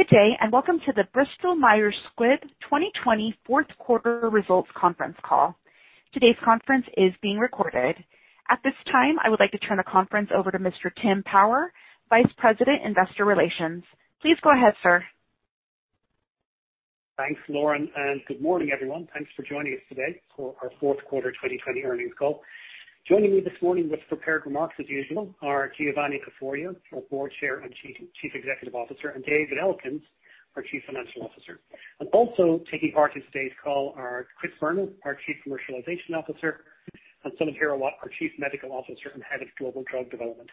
Good day, welcome to the Bristol Myers Squibb 2020 fourth quarter results conference call. Today's conference is being recorded. At this time, I would like to turn the conference over to Mr. Tim Power, Vice President, Investor Relations. Please go ahead, sir. Thanks, Lauren, and good morning, everyone. Thanks for joining us today for our fourth quarter 2020 earnings call. Joining me this morning with prepared remarks, as usual, are Giovanni Caforio, our Board Chair and Chief Executive Officer, and David Elkins, our Chief Financial Officer. Also taking part in today's call are Chris Boerner, our Chief Commercialization Officer, and Samit Hirawat, our Chief Medical Officer and Head of Global Drug Development.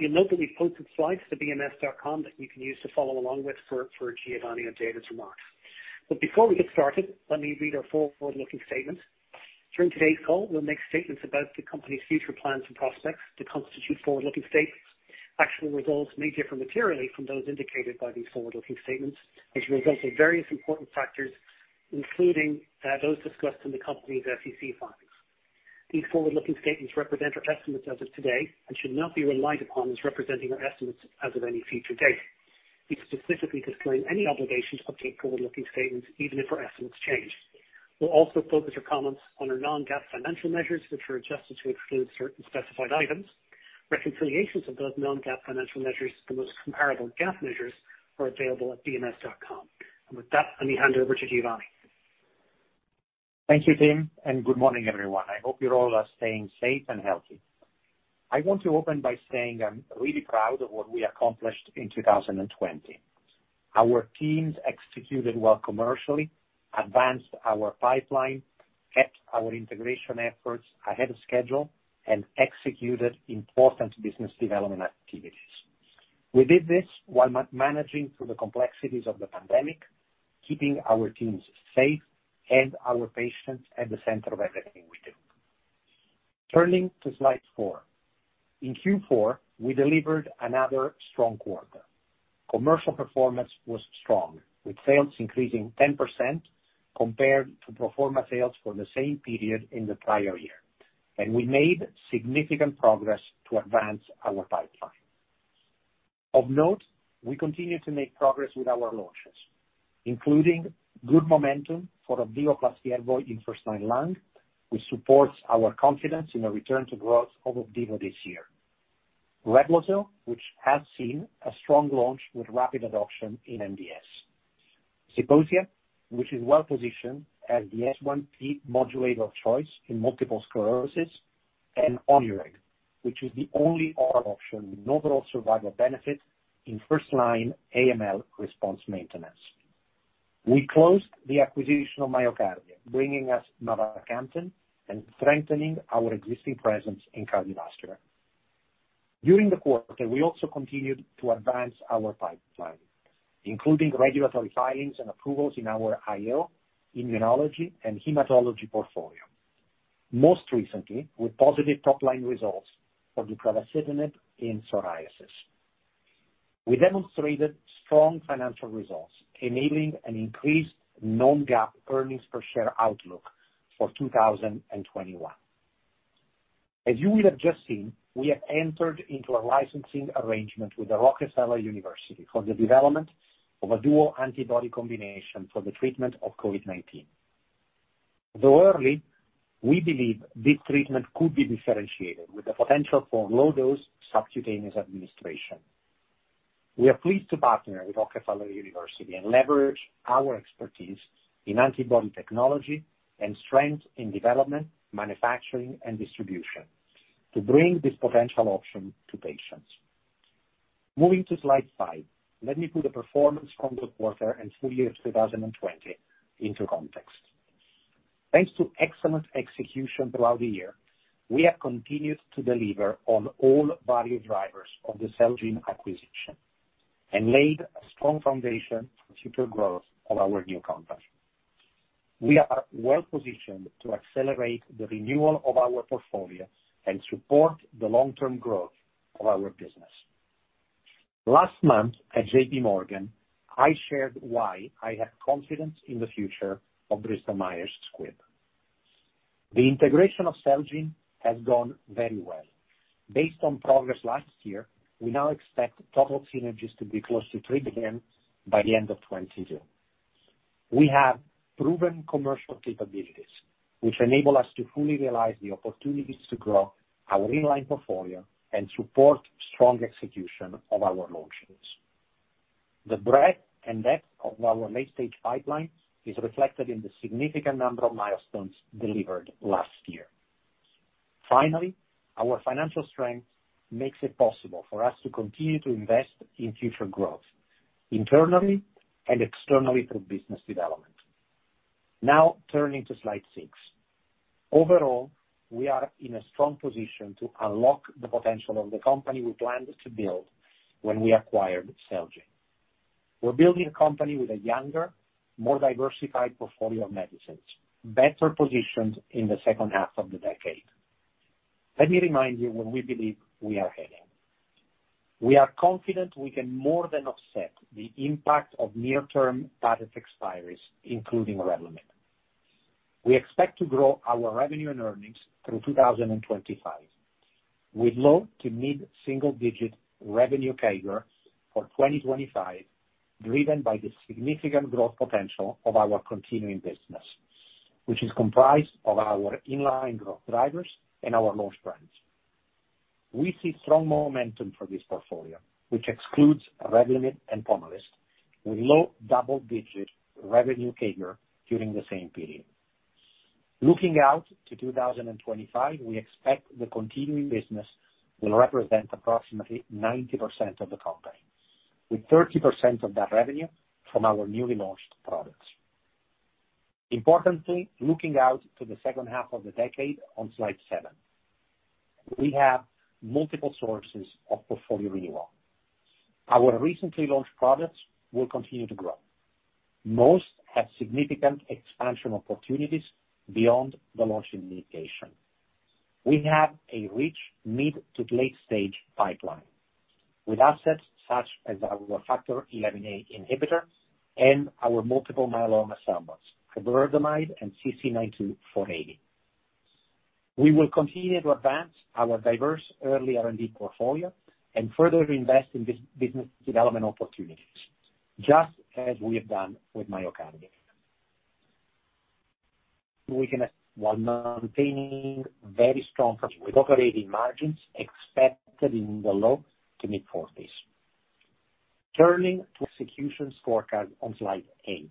You'll note that we've posted slides to bms.com that you can use to follow along with for Giovanni and David's remarks. Before we get started, let me read our forward-looking statement. During today's call, we'll make statements about the company's future plans and prospects that constitute forward-looking statements. Actual results may differ materially from those indicated by these forward-looking statements as a result of various important factors, including those discussed in the company's SEC filings. These forward-looking statements represent our estimates as of today and should not be relied upon as representing our estimates as of any future date. We specifically disclaim any obligation to update forward-looking statements, even if our estimates change. We will also focus our comments on our non-GAAP financial measures, which are adjusted to exclude certain specified items. Reconciliations of those non-GAAP financial measures to the most comparable GAAP measures are available at bms.com. With that, let me hand over to Giovanni. Thank you, Tim, and good morning, everyone. I hope you all are staying safe and healthy. I want to open by saying I'm really proud of what we accomplished in 2020. Our teams executed well commercially, advanced our pipeline, kept our integration efforts ahead of schedule, and executed important business development activities. We did this while managing through the complexities of the pandemic, keeping our teams safe and our patients at the center of everything we do. Turning to slide four. In Q4, we delivered another strong quarter. Commercial performance was strong, with sales increasing 10% compared to pro forma sales for the same period in the prior year. We made significant progress to advance our pipeline. Of note, we continue to make progress with our launches, including good momentum for OPDIVO+YERVOY in first-line lung, which supports our confidence in a return to growth of OPDIVO this year. REBLOZYL, which has seen a strong launch with rapid adoption in MDS. Zeposia, which is well-positioned as the S1P modulator of choice in multiple sclerosis, and ONUREG, which is the only oral option with an overall survival benefit in first-line AML response maintenance. We closed the acquisition of MyoKardia, bringing us mavacamten and strengthening our existing presence in cardiovascular. During the quarter, we also continued to advance our pipeline, including regulatory filings and approvals in our IO, immunology, and hematology portfolio, most recently with positive top-line results for deucravacitinib in psoriasis. We demonstrated strong financial results, enabling an increased non-GAAP earnings per share outlook for 2021. As you will have just seen, we have entered into a licensing arrangement with The Rockefeller University for the development of a dual antibody combination for the treatment of COVID-19. Though early, we believe this treatment could be differentiated with the potential for low-dose subcutaneous administration. We are pleased to partner with The Rockefeller University and leverage our expertise in antibody technology and strength in development, manufacturing, and distribution to bring this potential option to patients. Moving to slide five, let me put the performance from the quarter and full year of 2020 into context. Thanks to excellent execution throughout the year, we have continued to deliver on all value drivers of the Celgene acquisition and laid a strong foundation for future growth of our new company. We are well-positioned to accelerate the renewal of our portfolio and support the long-term growth of our business. Last month at JPMorgan, I shared why I have confidence in the future of Bristol Myers Squibb. The integration of Celgene has gone very well. Based on progress last year, we now expect total synergies to be close to $3 billion by the end of 2022. We have proven commercial capabilities, which enable us to fully realize the opportunities to grow our in-line portfolio and support strong execution of our launches. The breadth and depth of our late-stage pipeline is reflected in the significant number of milestones delivered last year. Finally, our financial strength makes it possible for us to continue to invest in future growth, internally and externally through business development. Now turning to slide six. Overall, we are in a strong position to unlock the potential of the company we planned to build when we acquired Celgene. We're building a company with a younger, more diversified portfolio of medicines, better positioned in the second half of the decade. Let me remind you where we believe we are heading. We are confident we can more than offset the impact of near-term patent expiries, including Revlimid. We expect to grow our revenue and earnings through 2025, with low to mid-single-digit revenue CAGR for 2025, driven by the significant growth potential of our continuing business, which is comprised of our in-line growth drivers and our launched brands. We see strong momentum for this portfolio, which excludes Revlimid and Pomalyst, with low double-digit revenue CAGR during the same period. Looking out to 2025, we expect the continuing business will represent approximately 90% of the company, with 30% of that revenue from our newly launched products. Importantly, looking out to the second half of the decade on slide seven, we have multiple sources of portfolio renewal. Our recently launched products will continue to grow. Most have significant expansion opportunities beyond the launched indication. We have a rich mid to late-stage pipeline with assets such as our Factor XIa inhibitor and our multiple myeloma CELMoDs, iberdomide and CC-92480. We will continue to advance our diverse early R&D portfolio and further invest in business development opportunities, just as we have done with MyoKardia. We can, while maintaining very strong operating margins expected in the low to mid 40s. Turning to execution scorecard on slide eight.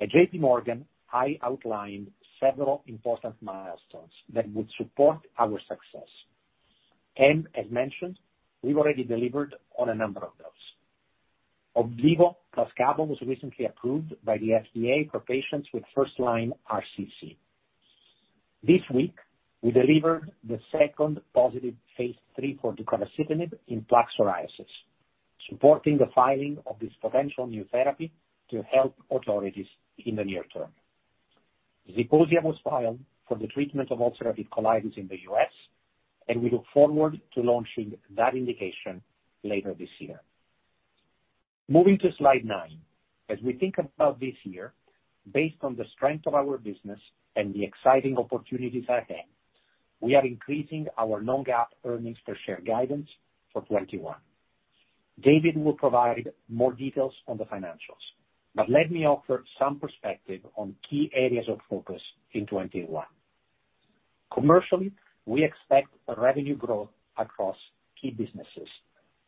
At JPMorgan, I outlined several important milestones that would support our success. As mentioned, we've already delivered on a number of those. OPDIVO plus CABOMETYX was recently approved by the FDA for patients with first-line RCC. This week, we delivered the second positive phase III for deucravacitinib in plaque psoriasis, supporting the filing of this potential new therapy to help authorities in the near term. Zeposia was filed for the treatment of ulcerative colitis in the U.S., we look forward to launching that indication later this year. Moving to slide nine. As we think about this year, based on the strength of our business and the exciting opportunities at hand, we are increasing our non-GAAP earnings per share guidance for 2021. David will provide more details on the financials, but let me offer some perspective on key areas of focus in 2021. Commercially, we expect a revenue growth across key businesses,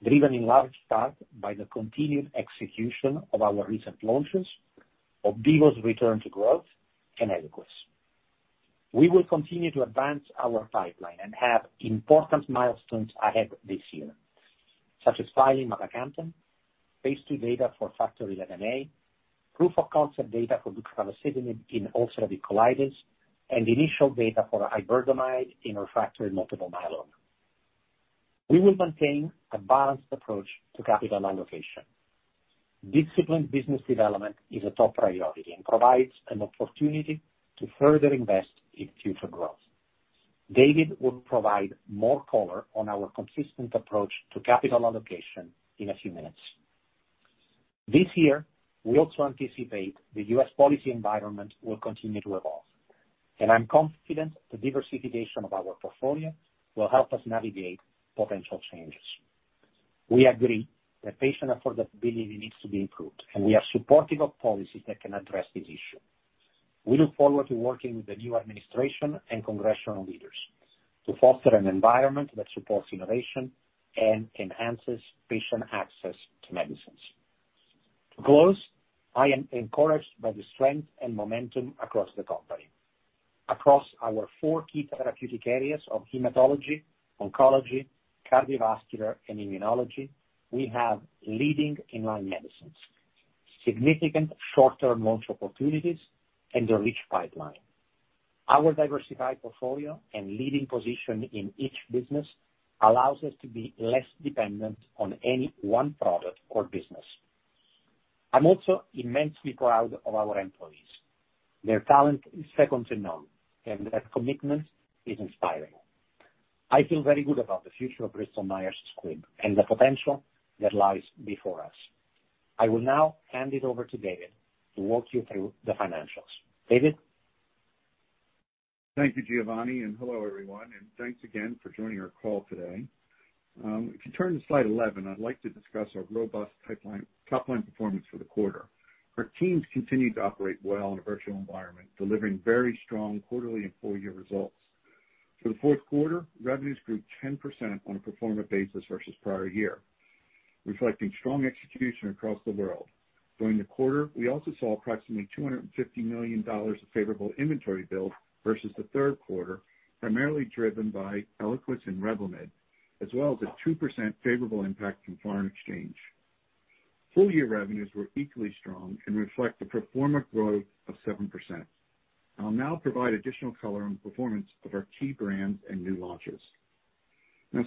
driven in large part by the continued execution of our recent launches, OPDIVO's return to growth, and Eliquis. We will continue to advance our pipeline and have important milestones ahead this year, such as filing mavacamten, phase II data for Factor XIa, proof of concept data for deucravacitinib in ulcerative colitis, and initial data for iberdomide in refractory multiple myeloma. We will maintain a balanced approach to capital allocation. Disciplined business development is a top priority and provides an opportunity to further invest in future growth. David will provide more color on our consistent approach to capital allocation in a few minutes. This year, we also anticipate the US policy environment will continue to evolve, and I'm confident the diversification of our portfolio will help us navigate potential changes. We agree that patient affordability needs to be improved, and we are supportive of policies that can address this issue. We look forward to working with the new administration and congressional leaders to foster an environment that supports innovation and enhances patient access to medicines. To close, I am encouraged by the strength and momentum across the company. Across our four key therapeutic areas of hematology, oncology, cardiovascular, and immunology, we have leading in-line medicines, significant short-term launch opportunities, and a rich pipeline. Our diversified portfolio and leading position in each business allows us to be less dependent on any one product or business. I'm also immensely proud of our employees. Their talent is second to none, and their commitment is inspiring. I feel very good about the future of Bristol Myers Squibb and the potential that lies before us. I will now hand it over to David to walk you through the financials. David? Thank you, Giovanni. Hello, everyone, and thanks again for joining our call today. If you turn to slide 11, I'd like to discuss our robust top-line performance for the quarter. Our teams continued to operate well in a virtual environment, delivering very strong quarterly full-year results. For the fourth quarter, revenues grew 10% on a pro forma basis versus prior year, reflecting strong execution across the world. During the quarter, we also saw approximately $250 million of favorable inventory build versus the third quarter, primarily driven by Eliquis and Revlimid, as well as a 2% favorable impact from foreign exchange. Full-year revenues were equally strong and reflect a pro forma growth of 7%. I'll now provide additional color on the performance of our key brands and new launches.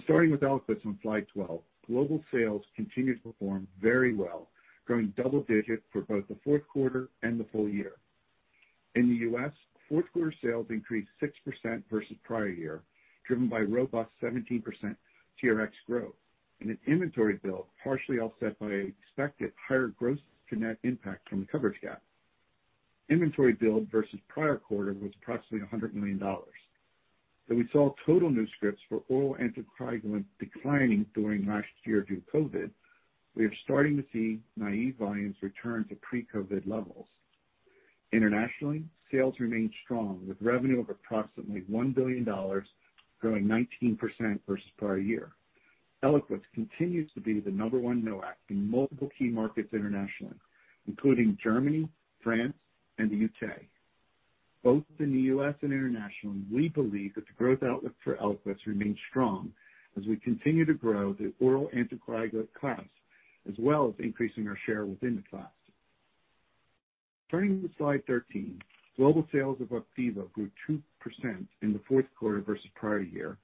Starting with Eliquis on slide 12, global sales continued to perform very well, growing double digits for both the fourth quarter and the full year. In the U.S., fourth quarter sales increased 6% versus prior year, driven by robust 17% TRX growth. An inventory build partially offset by expected higher gross to net impact from the coverage gap. Inventory build versus prior quarter was approximately $100 million. We saw total new scripts for oral anticoagulant declining during last year due to COVID, we are starting to see naive volumes return to pre-COVID levels. Internationally, sales remained strong, with revenue of approximately $1 billion, growing 19% versus prior year. Eliquis continues to be the number one NOAC in multiple key markets internationally, including Germany, France, and the U.K. Both in the U.S. and internationally, we believe that the growth outlook for Eliquis remains strong as we continue to grow the oral anticoagulant class, as well as increasing our share within the class. Turning to slide 13. Global sales of OPDIVO grew 2% in the fourth quarter versus prior year,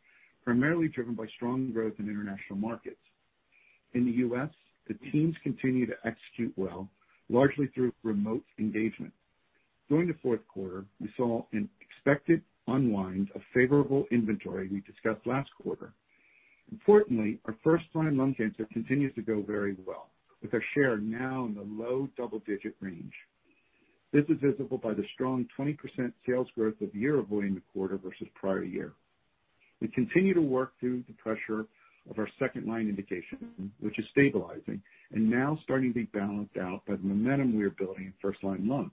primarily driven by strong growth in international markets. In the U.S., the teams continue to execute well, largely through remote engagement. During the fourth quarter, we saw an expected unwind of favorable inventory we discussed last quarter. Importantly, our first-line lung cancer continues to go very well, with our share now in the low double-digit range. This is visible by the strong 20% sales growth of the YERVOY the quarter versus prior year. We continue to work through the pressure of our second-line indication, which is stabilizing and now starting to be balanced out by the momentum we are building in first-line lung.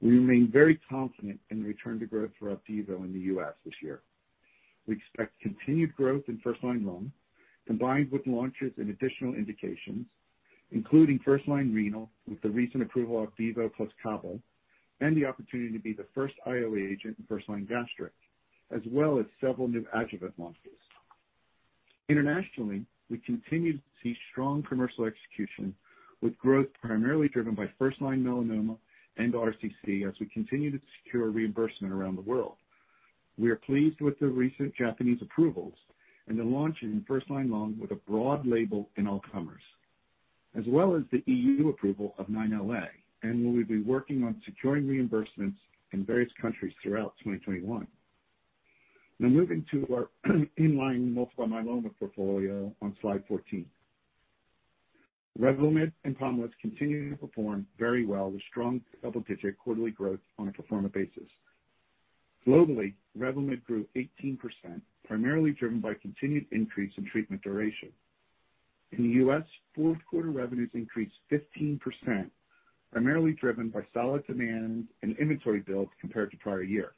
We remain very confident in the return to growth for OPDIVO in the U.S. this year. We expect continued growth in first-line lung, combined with launches in additional indications, including first-line renal with the recent approval of OPDIVO plus CABOMETYX, and the opportunity to be the first IO agent in first-line gastric, as well as several new adjuvant launches. Internationally, we continue to see strong commercial execution, with growth primarily driven by first-line melanoma and RCC as we continue to secure reimbursement around the world. We are pleased with the recent Japanese approvals and the launch in first-line lung with a broad label in all comers, as well as the EU approval of 9LA, and we will be working on securing reimbursements in various countries throughout 2021. Now moving to our in-line multiple myeloma portfolio on slide 14. Revlimid and POMALYST continue to perform very well with strong double-digit quarterly growth on a pro forma basis. Globally, Revlimid grew 18%, primarily driven by continued increase in treatment duration. In the U.S., fourth quarter revenues increased 15%, primarily driven by solid demand and inventory build compared to prior year.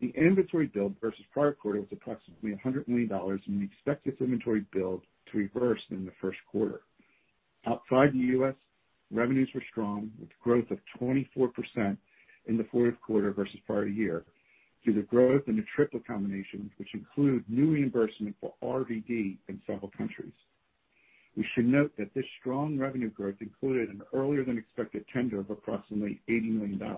The inventory build versus prior quarter was approximately $100 million, and we expect this inventory build to reverse in the first quarter. Outside the U.S., revenues were strong, with growth of 24% in the fourth quarter versus prior year, due to growth in the triple combinations, which include new reimbursement for RVd in several countries. We should note that this strong revenue growth included an earlier than expected tender of approximately $80 million.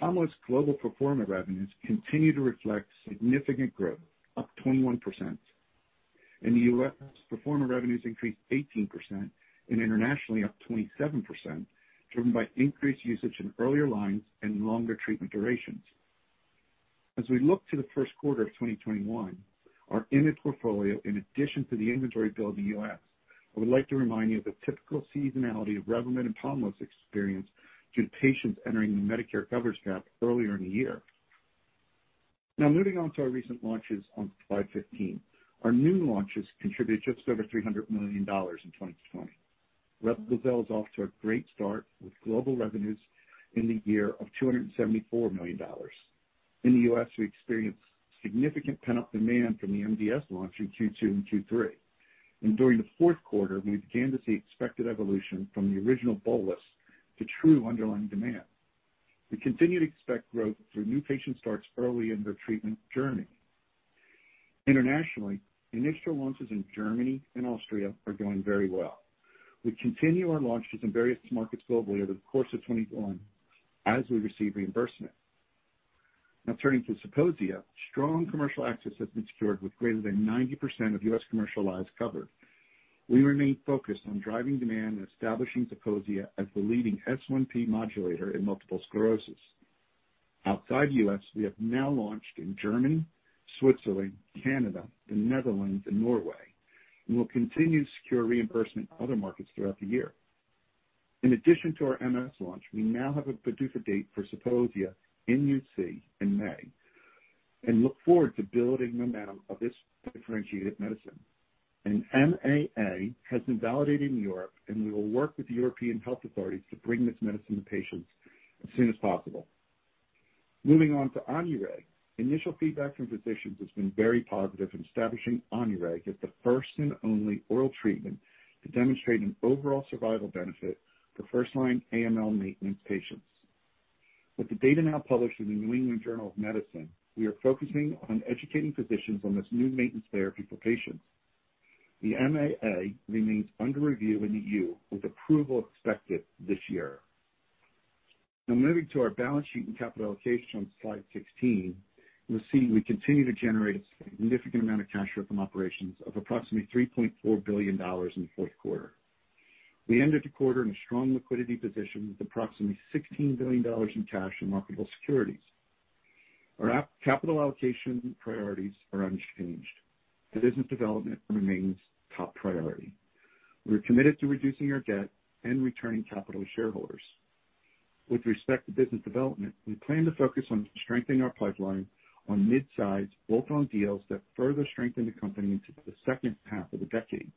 Pomalyst global pro forma revenues continue to reflect significant growth, up 21%. In the U.S., pro forma revenues increased 18% and internationally up 27%, driven by increased usage in earlier lines and longer treatment durations. As we look to the first quarter of 2021, our IMiD portfolio, in addition to the inventory build in the U.S., I would like to remind you of the typical seasonality of Revlimid and Pomalyst experienced due to patients entering the Medicare coverage gap earlier in the year. Moving on to our recent launches on slide 15. Our new launches contributed just over $300 million in 2020. REBLOZYL is off to a great start, with global revenues in the year of $274 million. In the U.S., we experienced significant pent-up demand from the MDS launch in Q2 and Q3. During the fourth quarter, we began to see expected evolution from the original bolus to true underlying demand. We continue to expect growth through new patient starts early in their treatment journey. Internationally, initial launches in Germany and Austria are going very well. We continue our launches in various markets globally over the course of 2021 as we receive reimbursement. Turning to Zeposia. Strong commercial access has been secured with greater than 90% of US commercial lives covered. We remain focused on driving demand and establishing Zeposia as the leading S1P modulator in multiple sclerosis. Outside the U.S., we have now launched in Germany, Switzerland, Canada, the Netherlands, and Norway, and will continue to secure reimbursement in other markets throughout the year. In addition to our MS launch, we now have a PDUFA date for Zeposia in UC in May, and look forward to building momentum of this differentiated medicine. An MAA has been validated in Europe. We will work with the European health authorities to bring this medicine to patients as soon as possible. Moving on to ONUREG. Initial feedback from physicians has been very positive in establishing ONUREG as the first and only oral treatment to demonstrate an overall survival benefit for first-line AML maintenance patients. With the data now published in the New England Journal of Medicine, we are focusing on educating physicians on this new maintenance therapy for patients. The MAA remains under review in the EU, with approval expected this year. Moving to our balance sheet and capital allocation on slide 16. You'll see we continue to generate a significant amount of cash flow from operations of approximately $3.4 billion in the fourth quarter. We ended the quarter in a strong liquidity position with approximately $16 billion in cash and marketable securities. Our capital allocation priorities are unchanged. Business development remains top priority. We're committed to reducing our debt and returning capital to shareholders. With respect to business development, we plan to focus on strengthening our pipeline on mid-size, bolt-on deals that further strengthen the company into the second half of the decade.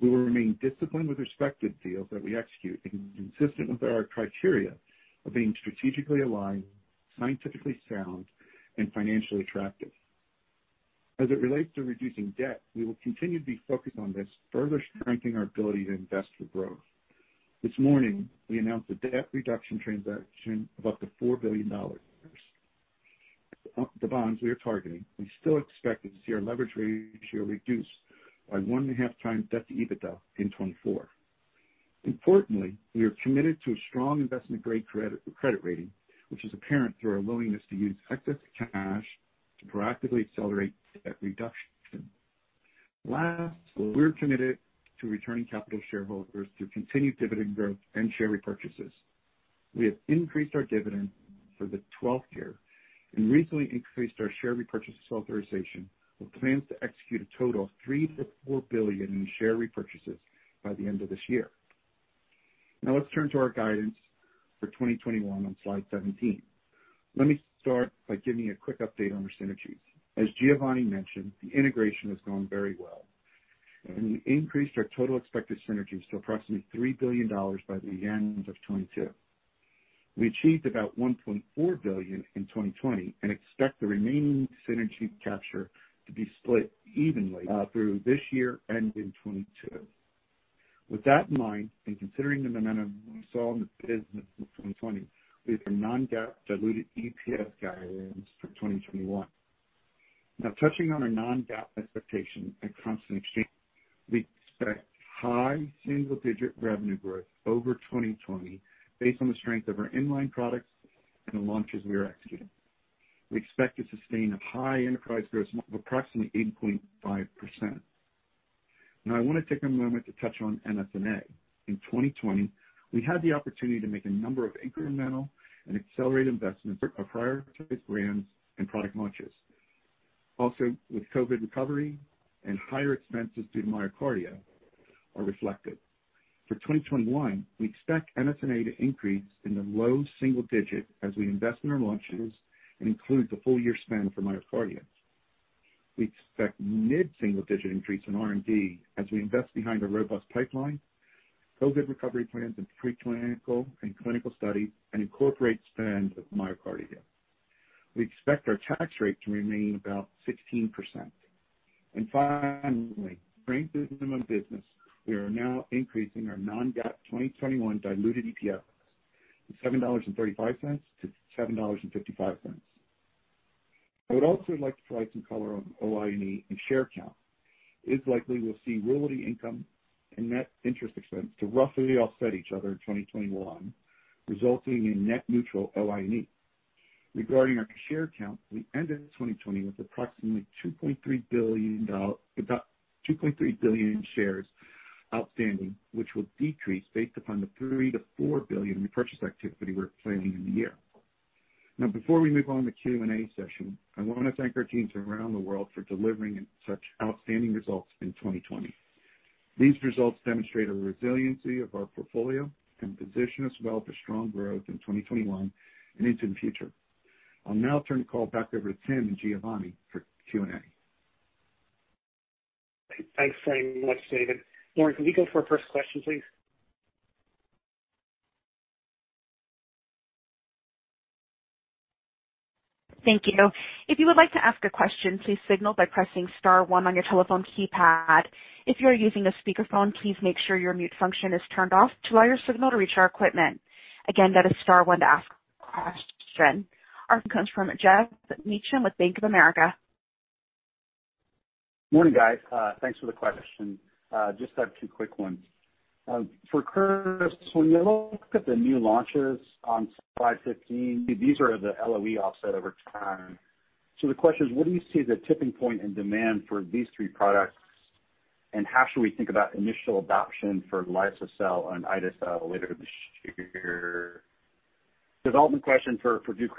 We will remain disciplined with respect to deals that we execute, and consistent with our criteria of being strategically aligned, scientifically sound, and financially attractive. As it relates to reducing debt, we will continue to be focused on this, further strengthening our ability to invest for growth. This morning, we announced a debt reduction transaction of up to $4 billion. The bonds we are targeting, we still expect to see our leverage ratio reduce by one and a half times debt to EBITDA in 2024. Importantly, we are committed to a strong investment-grade credit rating, which is apparent through our willingness to use excess cash to proactively accelerate debt reduction. Last, we're committed to returning capital to shareholders through continued dividend growth and share repurchases. We have increased our dividend for the 12th year and recently increased our share repurchases authorization, with plans to execute a total of $3 billion-$4 billion in share repurchases by the end of this year. Now let's turn to our guidance for 2021 on slide 17. Let me start by giving a quick update on our synergies. As Giovanni mentioned, the integration has gone very well, and we increased our total expected synergies to approximately $3 billion by the end of 2022. We achieved about $1.4 billion in 2020 and expect the remaining synergy capture to be split evenly through this year and in 2022. With that in mind, and considering the momentum we saw in the business in 2020, we have non-GAAP diluted EPS guidance for 2021. Now touching on our non-GAAP expectation at constant exchange, we expect high single-digit revenue growth over 2020 based on the strength of our in-line products and the launches we are executing. We expect to sustain a high enterprise growth of approximately 8.5%. Now, I want to take a moment to touch on SG&A. In 2020, we had the opportunity to make a number of incremental and accelerated investments of prioritized brands and product launches. Also with COVID-19 recovery and higher expenses due to MyoKardia are reflected. For 2021, we expect SG&A to increase in the low single-digit as we invest in our launches and include the full year spend for MyoKardia. We expect mid-single-digit increase in R&D as we invest behind a robust pipeline, COVID-19 recovery plans, and preclinical and clinical studies, and incorporate spend with MyoKardia. We expect our tax rate to remain about 16%. Finally, strength in the business, we are now increasing our non-GAAP 2021 diluted EPS from $7.35-$7.55. I would also like to provide some color on OI&E and share count. It is likely we will see royalty income and net interest expense to roughly offset each other in 2021, resulting in net neutral OI&E. Regarding our share count, we ended 2020 with approximately 2.3 billion shares outstanding, which will decrease based upon the $3 billion-$4 billion repurchase activity we're planning in the year. Before we move on to the Q&A session, I want to thank our teams around the world for delivering such outstanding results in 2020. These results demonstrate a resiliency of our portfolio and position us well for strong growth in 2021 and into the future. I'll now turn the call back over to Tim and Giovanni for Q&A. Thanks very much, David. Lauren, can we go for our first question, please? Thank you. If you would like to ask a question, please signal by pressing star one on your telephone keypad. If you are using a speakerphone, please make sure your mute function is turned off to allow your signal to reach our equipment. Again, that is star one to ask a question. Our first comes from Geoff Meacham with Bank of America. Morning, guys. Thanks for the question. Just have two quick ones. For Chris, when you look at the new launches on slide 15, these are the LOE offset over time. The question is, where do you see the tipping point in demand for these three products, and how should we think about initial adoption for liso-cel and ide-cel later this year? Development question for Duke.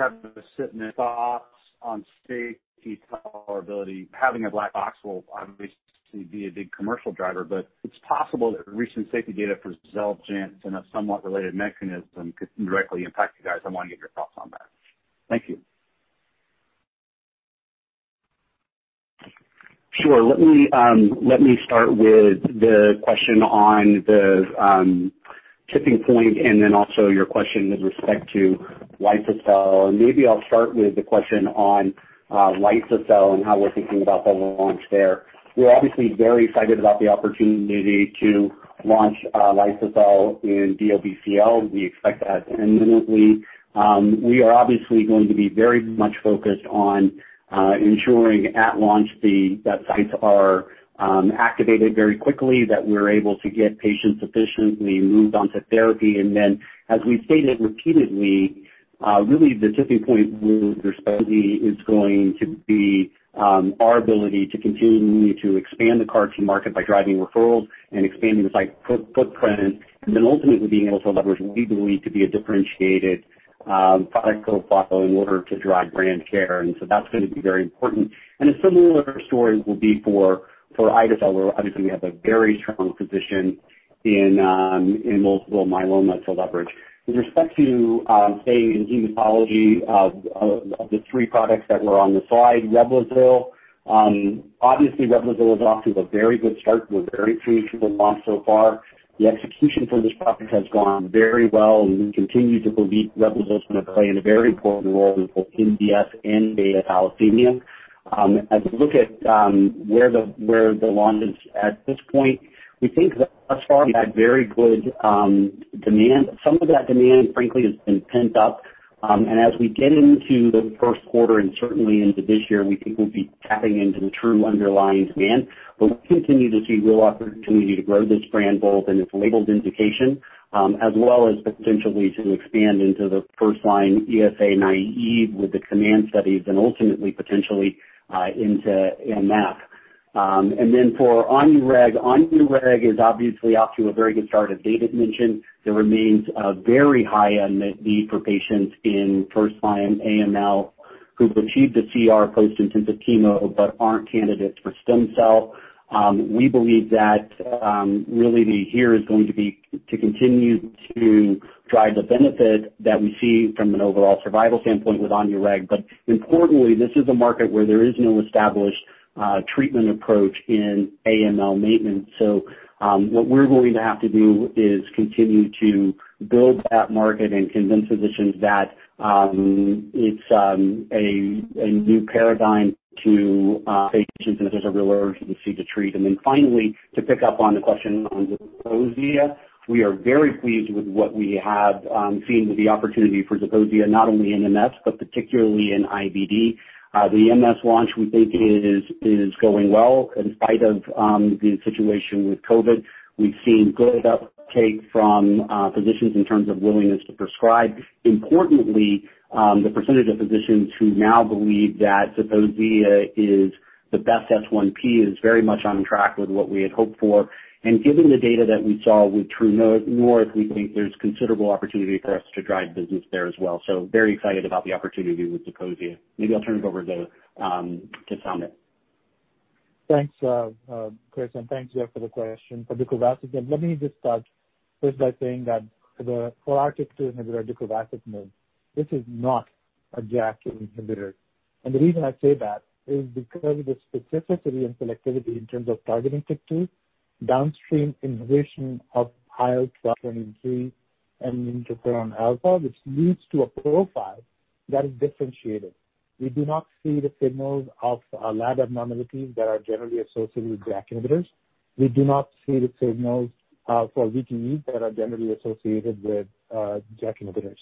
Thoughts on safety tolerability. Having a black box will obviously be a big commercial driver, but it's possible that recent safety data for Xeljanz in a somewhat related mechanism could directly impact you guys. I want to get your thoughts on that. Thank you. Sure. Let me start with the question on the tipping point and then also your question with respect to liso-cel. Maybe I'll start with the question on liso-cel and how we're thinking about the launch there. We're obviously very excited about the opportunity to launch liso-cel in DLBCL. We expect that imminently. We are obviously going to be very much focused on ensuring at launch that sites are activated very quickly, that we're able to get patients efficiently moved onto therapy. As we've stated repeatedly the tipping point with liso-cel is going to be our ability to continue to expand the CAR-T market by driving referrals and expanding the site footprint, ultimately being able to leverage what we believe to be a differentiated product profile in order to drive brand care. That's going to be very important. A similar story will be for ide-cel, obviously we have a very strong position in multiple myeloma to leverage. With respect to staying in hematology, of the three products that were on the slide, obviously REBLOZYL is off to a very good start with very pleasing launch so far. The execution for this product has gone very well, and we continue to believe REBLOZYL is going to play a very important role in both MDS and beta thalassemia. As we look at where the launch is at this point, we think thus far we've had very good demand. Some of that demand, frankly, has been pent up, and as we get into the first quarter and certainly into this year, we think we'll be tapping into the true underlying demand. We continue to see real opportunity to grow this brand, both in its labeled indication, as well as potentially to expand into the first-line ESA naive with the COMMANDS and ultimately potentially, into MF. For ONUREG is obviously off to a very good start, as David mentioned. There remains a very high unmet need for patients in first-line AML who've achieved a CR post-intensive chemo but aren't candidates for stem cell. We believe that really the year is going to be to continue to drive the benefit that we see from an overall survival standpoint with ONUREG. Importantly, this is a market where there is no established treatment approach in AML maintenance. What we're going to have to do is continue to build that market and convince physicians that it's a new paradigm to patients and that there's a real urgency to treat. Finally, to pick up on the question on Zeposia, we are very pleased with what we have seen with the opportunity for Zeposia, not only in MS, but particularly in IBD. The MS launch we think is going well in spite of the situation with COVID. We've seen good uptake from physicians in terms of willingness to prescribe. Importantly, the percentage of physicians who now believe that Zeposia is the best S1P is very much on track with what we had hoped for. Given the data that we saw with True North, we think there's considerable opportunity for us to drive business there as well. Very excited about the opportunity with Zeposia. Maybe I'll turn it over to Samit. Thanks, Chris, and thanks, Geoff, for the question. For deucravacitinib, let me just start first by saying that for our take with deucravacitinib, this is not a JAK inhibitor. The reason I say that is because of the specificity and selectivity in terms of targeting TYK2, downstream inhibition of IL-12 and -23 and interferon alpha, which leads to a profile that is differentiated. We do not see the signals of lab abnormalities that are generally associated with JAK inhibitors. We do not see the signals for VTEs that are generally associated with JAK inhibitors.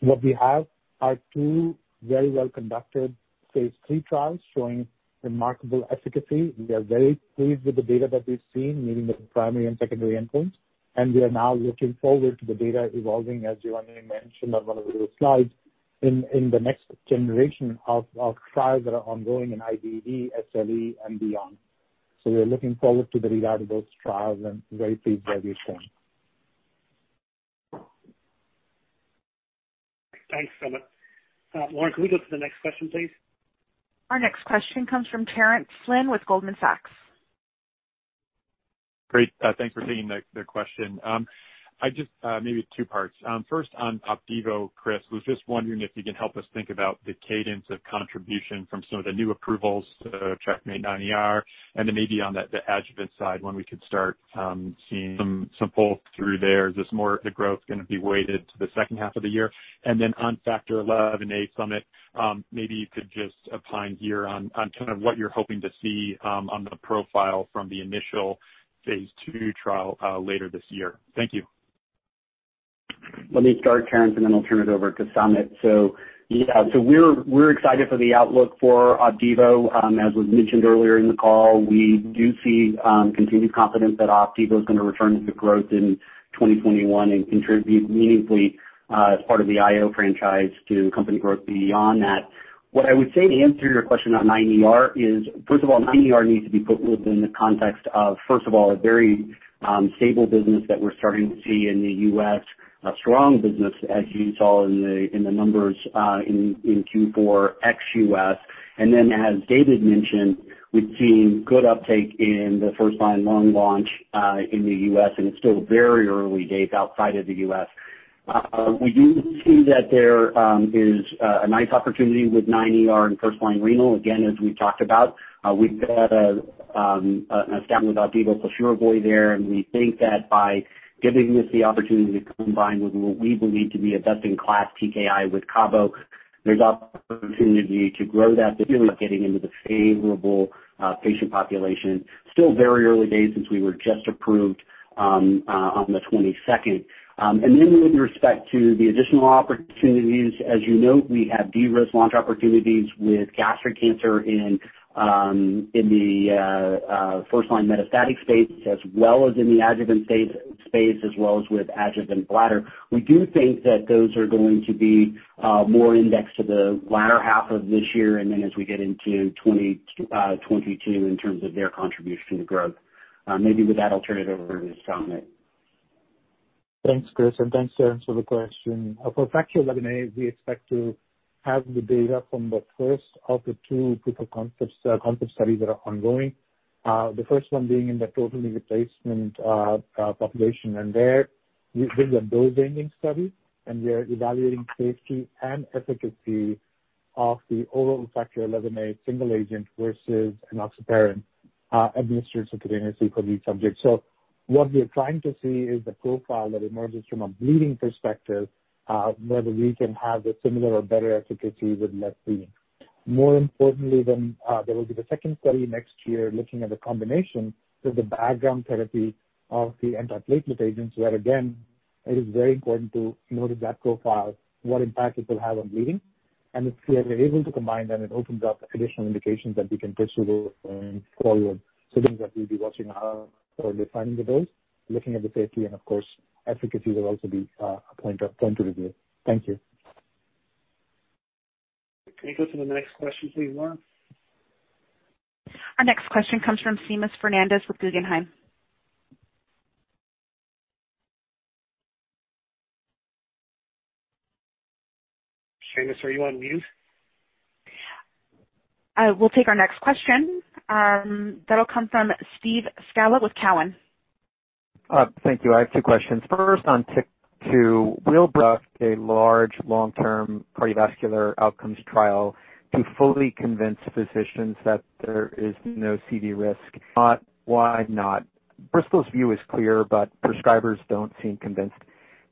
What we have are two very well-conducted phase III trials showing remarkable efficacy. We are very pleased with the data that we've seen, meeting the primary and secondary endpoints. We are now looking forward to the data evolving, as Giovanni mentioned on one of the slides, in the next generation of trials that are ongoing in IBD, SLE, and beyond. We are looking forward to the read out of those trials and very pleased where we stand. Thanks, Samit. Lauren, can we go to the next question, please? Our next question comes from Terence Flynn with Goldman Sachs. Great. Thanks for taking the question. Maybe two parts. First on OPDIVO, Chris, was just wondering if you can help us think about the cadence of contribution from some of the new approvals, CheckMate -9ER, and then maybe on the adjuvant side, when we could start seeing some pull through there. Is this more the growth going to be weighted to the second half of the year? On Factor XIa, Samit, maybe you could just opine here on kind of what you're hoping to see on the profile from the initial phase II trial later this year. Thank you. Let me start, Terence, and then I'll turn it over to Samit. Yeah, we're excited for the outlook for OPDIVO. As was mentioned earlier in the call, we do see continued confidence that OPDIVO is going to return to growth in 2021 and contribute meaningfully as part of the IO franchise to company growth beyond that. What I would say to answer your question on CheckMate -9ER is, first of all, CheckMate -9ER needs to be put within the context of, first of all, a very stable business that we're starting to see in the U.S., a strong business, as you saw in the numbers in Q4 ex-U.S. Then as David mentioned, we've seen good uptake in the first-line lung launch in the U.S., and it's still very early days outside of the U.S. We do see that there is a nice opportunity with CheckMate -9ER in first-line RCC. Again, as we've talked about. We've got a stab with OPDIVO plus YERVOY there, and we think that by giving this the opportunity to combine with what we believe to be a best-in-class TKI with cabozantinib, there's opportunity to grow that, particularly getting into the favorable patient population. Still very early days since we were just approved on the 22nd. With respect to the additional opportunities, as you note, we have de-risk launch opportunities with gastric cancer in the first-line metastatic space as well as in the adjuvant space as well as with adjuvant bladder. We do think that those are going to be more indexed to the latter half of this year and then as we get into 2022 in terms of their contribution to growth. Maybe with that, I'll turn it over to Samit. Thanks, Chris, and thanks, Terence, for the question. For Factor XIa, we expect to have the data from the first of the two proof-of-concept studies that are ongoing. The first one being in the total knee replacement population. There, this is a dose-ranging study, and we are evaluating safety and efficacy of the oral Factor XIa single agent versus enoxaparin administered subcutaneously for each subject. What we are trying to see is the profile that emerges from a bleeding perspective, whether we can have a similar or better efficacy with less bleeding. More importantly, there will be the second study next year looking at the combination with the background therapy of the antiplatelet agents, where again, it is very important to note that profile, what impact it will have on bleeding. If we are able to combine them, it opens up additional indications that we can pursue forward. Things that we'll be watching are for defining the dose, looking at the safety, and of course, efficacy will also be a point of review. Thank you. Can we go to the next question, please, Lauren? Our next question comes from Seamus Fernandez with Guggenheim. Seamus, are you on mute? We'll take our next question. That'll come from Steve Scala with Cowen. Thank you. I have two questions. First, on TYK2, will Bristol a large long-term cardiovascular outcomes trial to fully convince physicians that there is no CV risk? If not, why not? Bristol's Myres Squibb view is clear, prescribers don't seem convinced.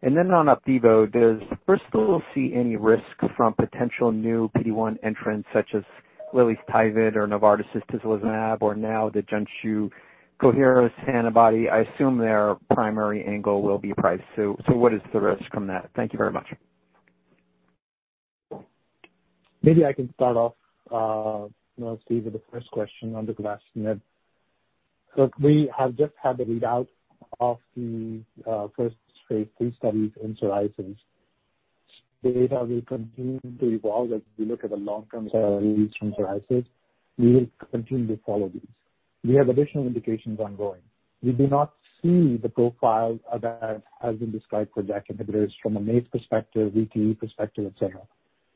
Then on OPDIVO, does Bristol see any risk from potential new PD-1 entrants, such as Lilly's TYVYT or Novartis' tislelizumab, or now the Junshi Coherus antibody? I assume their primary angle will be price. What is the risk from that? Thank you very much. Maybe I can start off, Steve, with the first question on the deucravacitinib. We have just had the readout of the first phase III studies in psoriasis. The data will continue to evolve as we look at the long-term studies from psoriasis. We will continue to follow these. We have additional indications ongoing. We do not see the profile that has been described for JAK inhibitors from a MACE perspective, VTE perspective, et cetera.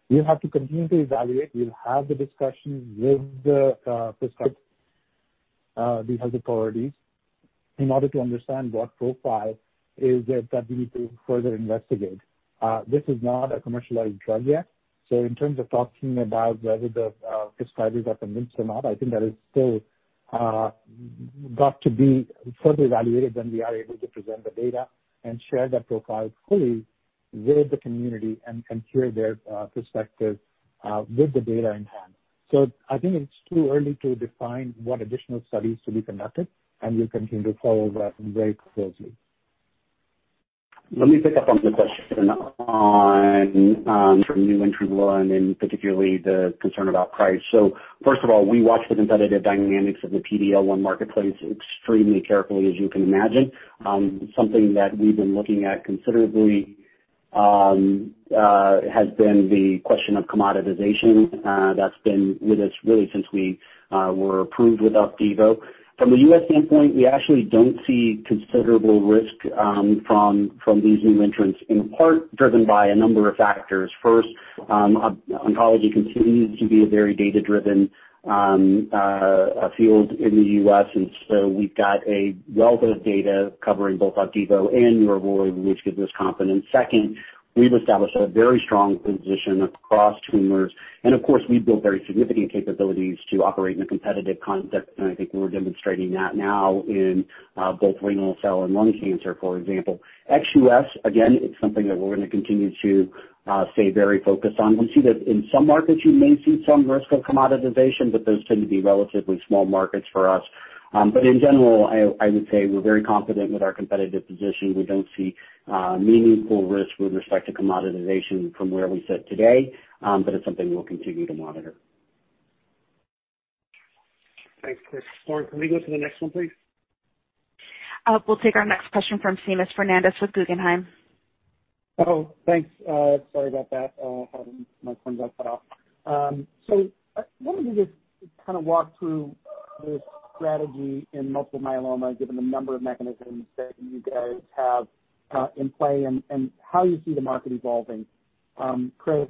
We'll have to continue to evaluate. We'll have the discussions with the prescriber, the health authorities, in order to understand what profile is there that we need to further investigate. This is not a commercialized drug yet. In terms of talking about whether the prescribers are convinced or not, I think that is still got to be further evaluated when we are able to present the data and share that profile fully with the community and hear their perspective with the data in hand. I think it's too early to define what additional studies to be conducted, and we'll continue to follow that very closely. Let me pick up on the question on new entrants and particularly the concern about price. First of all, we watch the competitive dynamics of the PD-L1 marketplace extremely carefully, as you can imagine. Something that we've been looking at considerably has been the question of commoditization. That's been with us really since we were approved with OPDIVO. From the US standpoint, we actually don't see considerable risk from these new entrants, in part driven by a number of factors. First, oncology continues to be a very data-driven field in the U.S., and so we've got a wealth of data covering both OPDIVO and nivolumab, which gives us confidence. Second, we've established a very strong position across tumors, and of course, we've built very significant capabilities to operate in a competitive context, and I think we're demonstrating that now in both renal cell and lung cancer, for example. Ex US, again, it's something that we're going to continue to stay very focused on. We see that in some markets, you may see some risk of commoditization. Those tend to be relatively small markets for us. In general, I would say we're very confident with our competitive position. We don't see meaningful risk with respect to commoditization from where we sit today, but it's something we'll continue to monitor. Thanks, Chris. Lauren, can we go to the next one, please? We'll take our next question from Seamus Fernandez with Guggenheim. Oh, thanks. Sorry about that. My phone got cut off. I wanted to just kind of walk through the strategy in multiple myeloma, given the number of mechanisms that you guys have in play and how you see the market evolving. Chris,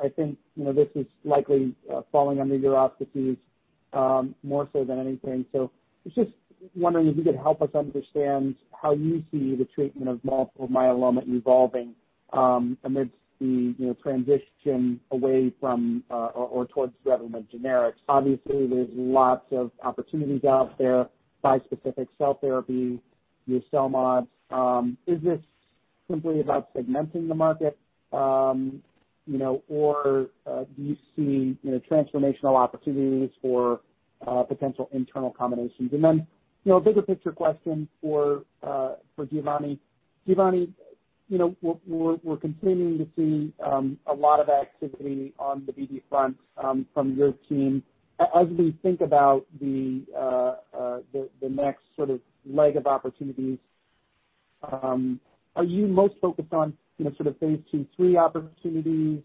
I think this is likely falling under your auspices more so than anything. I was just wondering if you could help us understand how you see the treatment of multiple myeloma evolving amidst the transition away from or towards Revlimid generics. Obviously, there's lots of opportunities out there, bispecific cell therapy, new CELMoDs. Is this simply about segmenting the market or do you see transformational opportunities for potential internal combinations? A bigger picture question for Giovanni. We're continuing to see a lot of activity on the BD front from your team. As we think about the next leg of opportunities, are you most focused on phase II, III opportunities,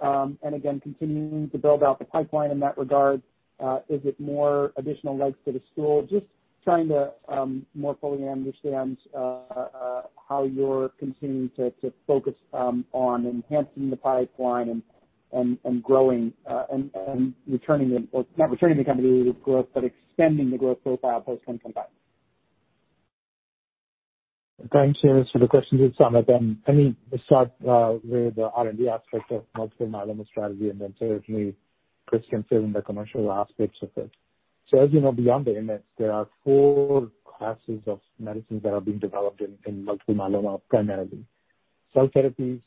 and again, continuing to build out the pipeline in that regard? Is it more additional legs to the stool? Just trying to more fully understand how you're continuing to focus on enhancing the pipeline and growing and not returning the company to growth, but extending the growth profile post- combine. Thanks, Seamus, for the question. It's Samit. Let me start with the R&D aspect of multiple myeloma strategy, and then certainly Chris can fill in the commercial aspects of it. As you know, beyond the IMiDs, there are four classes of medicines that are being developed in multiple myeloma, primarily. Cell therapies,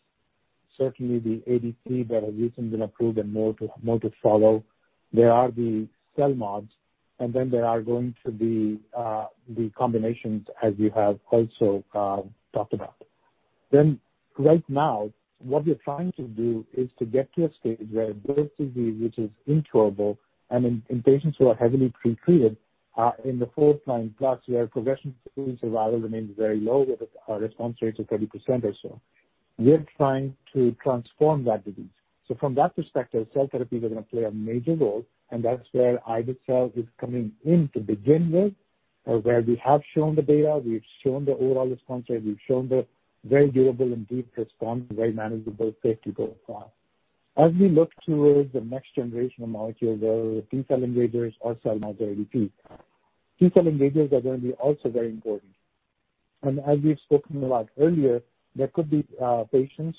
certainly the ADC that has recently been approved and more to follow. There are the CELMoDs, and then there are going to be the combinations, as you have also talked about. Right now, what we're trying to do is to get to a stage where this disease, which is incurable and in patients who are heavily pretreated, are in the fourth line, plus where progression-free survival remains very low, with a response rate of 30% or so. We're trying to transform that disease. From that perspective, cell therapies are going to play a major role, and that's where ide-cel is coming in to begin with, where we have shown the data, we've shown the overall response rate, we've shown the very doable and deep response, very manageable safety profile. As we look towards the next generation of molecules, whether T-cell engagers or CELMoDs ADCs. T-cell engagers are going to be also very important. As we've spoken about earlier, there could be patients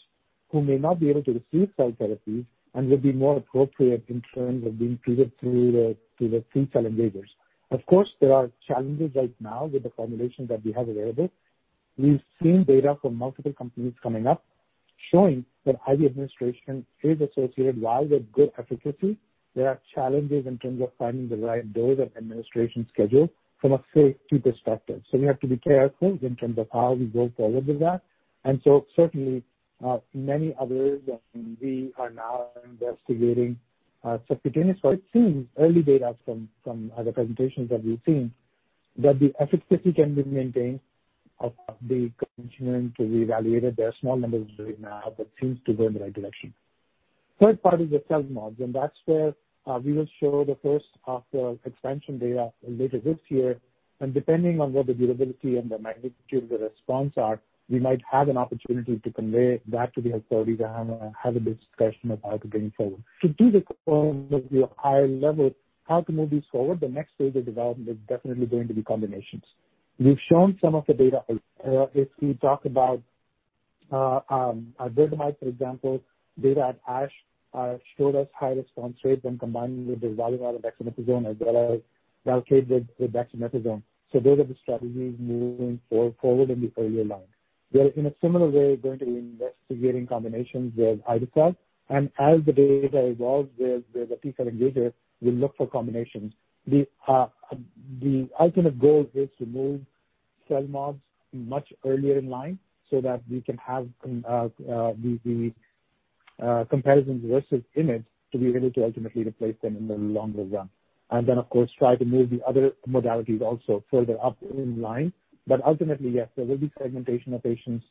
who may not be able to receive cell therapy and will be more appropriate in terms of being treated through the T-cell engagers. Of course, there are challenges right now with the formulation that we have available. We've seen data from multiple companies coming up showing that IV administration is associated, while with good efficacy, there are challenges in terms of finding the right dose of administration schedule from a safety perspective. We have to be careful in terms of how we go forward with that. Certainly, many others and we are now investigating subcutaneous, but it seems early data from other presentations that we've seen that the efficacy can be maintained of the continuum to be evaluated. There are small numbers right now, but seems to go in the right direction. Third part is the CELMoDs, and that's where we will show the first half expansion data later this year, and depending on what the durability and the magnitude of the response are, we might have an opportunity to convey that to the authorities and have a discussion about it going forward. To do this at the high level, how to move this forward, the next stage of development is definitely going to be combinations. We've shown some of the data. If we talk about iberdomide, for example, data at ASH showed us high response rates when combining with the daratumumab and dexamethasone, as well as Velcade with dexamethasone. Those are the strategies moving forward in the earlier line. We're, in a similar way, going to investigating combinations with ide-cel. As the data evolves with the T-cell engager, we'll look for combinations. The ultimate goal is to move CELMoDs much earlier in line so that we can have the comparisons versus IMiDs to be able to ultimately replace them in the longer run. Of course, try to move the other modalities also further up in line. Ultimately, yes, there will be segmentation of patients.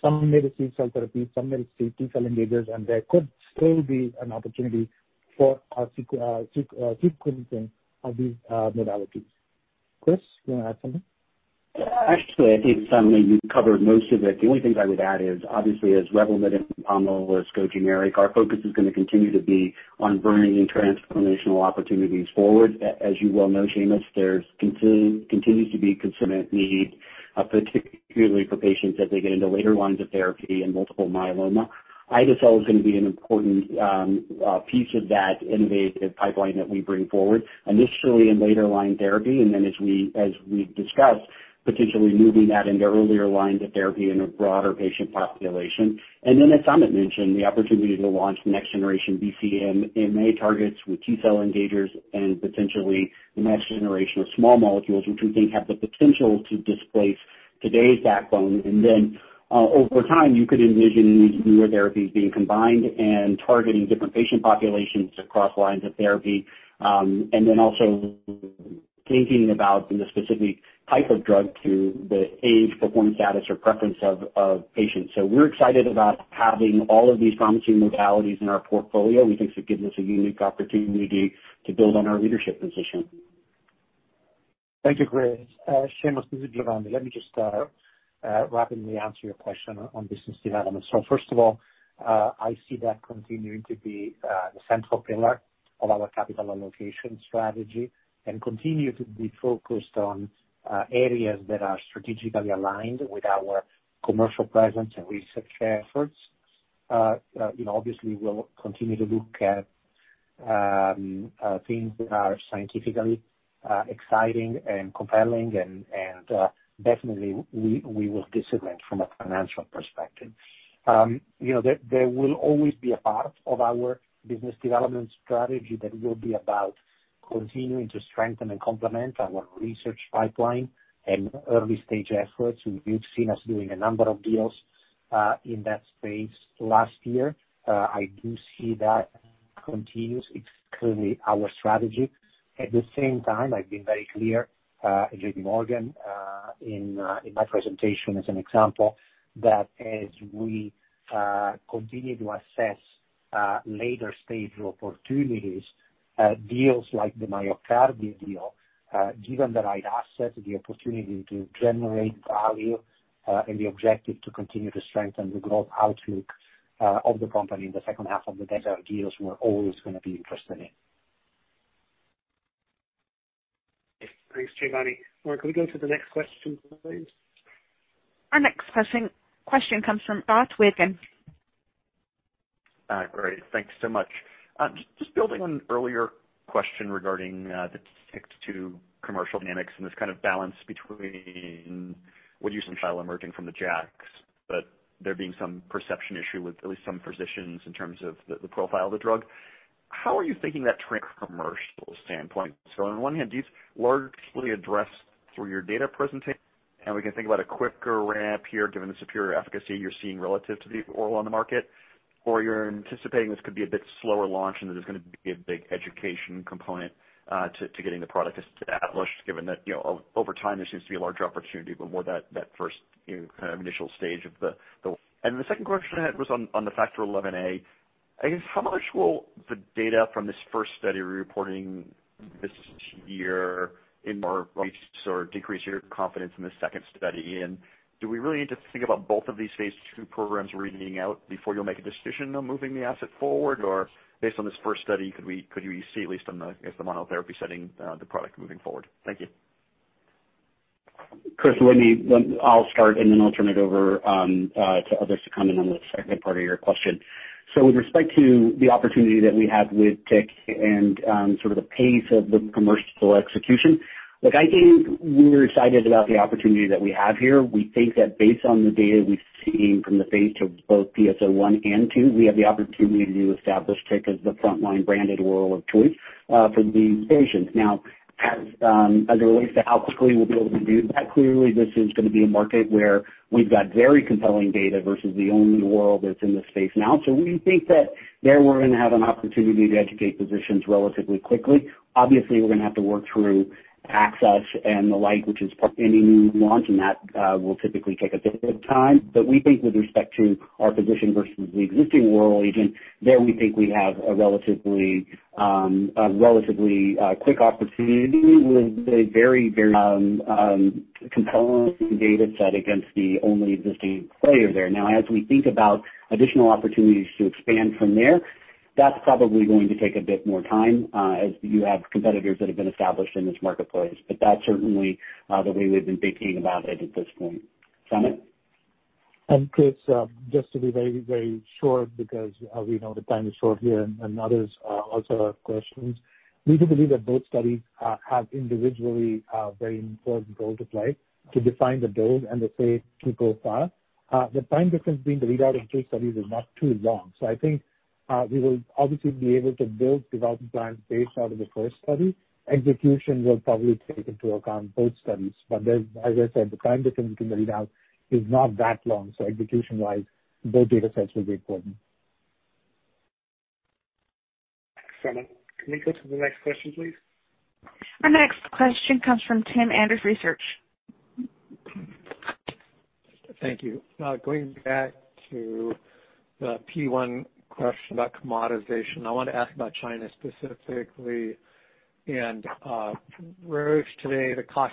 Some may receive cell therapy, some may receive T-cell engagers, and there could still be an opportunity for a sequencing of these modalities. Chris, you want to add something? Actually, I think, Samit, you covered most of it. The only things I would add is, obviously, as Revlimid and POMALYST go generic, our focus is going to continue to be on bringing transformational opportunities forward. As you well know, Seamus, there continues to be consummate need, particularly for patients as they get into later lines of therapy in multiple myeloma. Ide-cel is going to be an important piece of that innovative pipeline that we bring forward, initially in later-line therapy, then as we've discussed, potentially moving that into earlier lines of therapy in a broader patient population. Then as Samit mentioned, the opportunity to launch next generation BCMA targets with T-cell engagers and potentially the next generation of small molecules, which we think have the potential to displace today's backbone. Over time, you could envision these newer therapies being combined and targeting different patient populations across lines of therapy. Also thinking about the specific type of drug to the age, performance status, or preference of patients. We're excited about having all of these promising modalities in our portfolio. We think it gives us a unique opportunity to build on our leadership position. Thank you, Chris. Seamus, this is Giovanni. Let me just rapidly answer your question on business development. First of all, I see that continuing to be the central pillar of our capital allocation strategy and continue to be focused on areas that are strategically aligned with our commercial presence and research efforts. Obviously, we'll continue to look at things that are scientifically exciting and compelling, and definitely, we will disciplined from a financial perspective. There will always be a part of our business development strategy that will be about continuing to strengthen and complement our research pipeline and early-stage efforts. You've seen us doing a number of deals in that space last year. I do see that continues. It's clearly our strategy. At the same time, I've been very clear, JPMorgan, in my presentation as an example, that as we continue to assess later-stage opportunities, deals like the MyoKardia deal, given the right asset, the opportunity to generate value, and the objective to continue to strengthen the growth outlook of the company in the second half of the decade, deals we're always going to be interested in. Thanks, Giovanni. Can we go to the next question, please? Our next question comes from Todd Wiegand. All right. Great, thanks so much. Just building on earlier question regarding the TYK2 commercial dynamics and this kind of balance between what you see in the trial emerging from the JAKs, but there being some perception issue with at least some physicians in terms of the profile of the drug. How are you thinking that from a commercial standpoint? On one hand, do you largely address through your data presentation, and we can think about a quicker ramp here, given the superior efficacy you're seeing relative to the oral on the market, or you're anticipating this could be a bit slower launch and there's going to be a big education component to getting the product established, given that over time there seems to be a larger opportunity. The second question I had was on the Factor XIa. I guess how much will the data from this first study reporting this year in more reach or decrease your confidence in the second study? Do we really need to think about both of these phase II programs reading out before you'll make a decision on moving the asset forward? Based on this first study, could we see at least on the, I guess, the monotherapy setting, the product moving forward? Thank you. Chris, I'll start and then I'll turn it over to others to comment on the second part of your question. With respect to the opportunity that we have with TYK and sort of the pace of the commercial execution, look, I think we're excited about the opportunity that we have here. We think that based on the data we've seen from the phase II, both POETYK PSO-1 and 2, we have the opportunity to establish TYK as the frontline branded oral of choice for these patients. As it relates to how quickly we'll be able to do that, clearly this is going to be a market where we've got very compelling data versus the only oral that's in this space now. We think that there we're going to have an opportunity to educate physicians relatively quickly. We're going to have to work through access and the like, which is any new launch, and that will typically take a bit of time. We think with respect to our position versus the existing oral agent, there we think we have a relatively quick opportunity with a very compelling data set against the only existing player there. As we think about additional opportunities to expand from there, that's probably going to take a bit more time, as you have competitors that have been established in this marketplace. That's certainly the way we've been thinking about it at this point. Samit? Chris, just to be very short, because we know the time is short here and others also have questions. We do believe that both studies have individually a very important role to play to define the dose and the phase II profile. The time difference between the readout of two studies is not too long. I think we will obviously be able to build development plans based out of the first study. Execution will probably take into account both studies, but as I said, the time difference between the readout is not that long. Execution-wise, both data sets will be important. Samit, can we go to the next question, please? Our next question comes from Tim Anderson Research. Thank you. Going back to the PD-1 question about commoditization, I want to ask about China specifically and where today the cost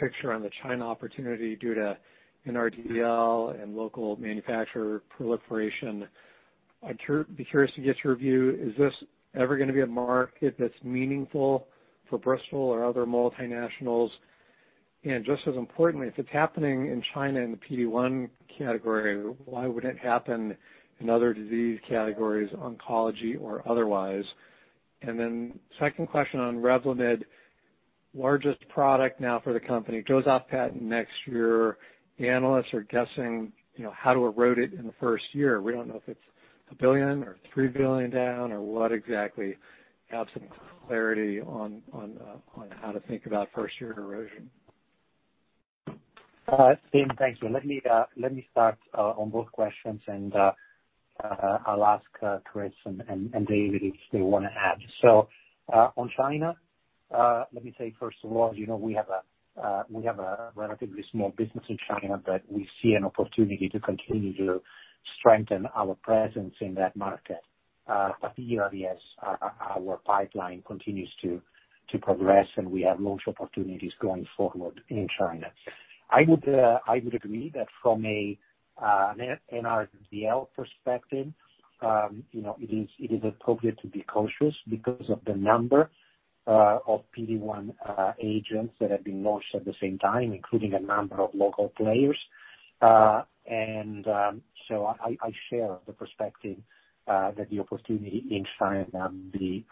picture on the China opportunity due to an NRDL and local manufacturer proliferation. I'd be curious to get your view. Is this ever going to be a market that's meaningful for Bristol Myers Squibb or other multinationals? Just as importantly, if it's happening in China in the PD-1 category, why would it happen in other disease categories, oncology or otherwise? Second question on Revlimid, largest product now for the company, goes off patent next year. Analysts are guessing how to erode it in the first year. We don't know if it's a billion or $3 billion down or what exactly. Have some clarity on how to think about first year erosion. Tim, thank you. Let me start on both questions, and I'll ask Chris and David if they want to add. On China, let me say, first of all, we have a relatively small business in China, but we see an opportunity to continue to strengthen our presence in that market year over year as our pipeline continues to progress, and we have launch opportunities going forward in China. I would agree that from an NRDL perspective, it is appropriate to be cautious because of the number of PD-1 agents that have been launched at the same time, including a number of local players. I share the perspective that the opportunity in China be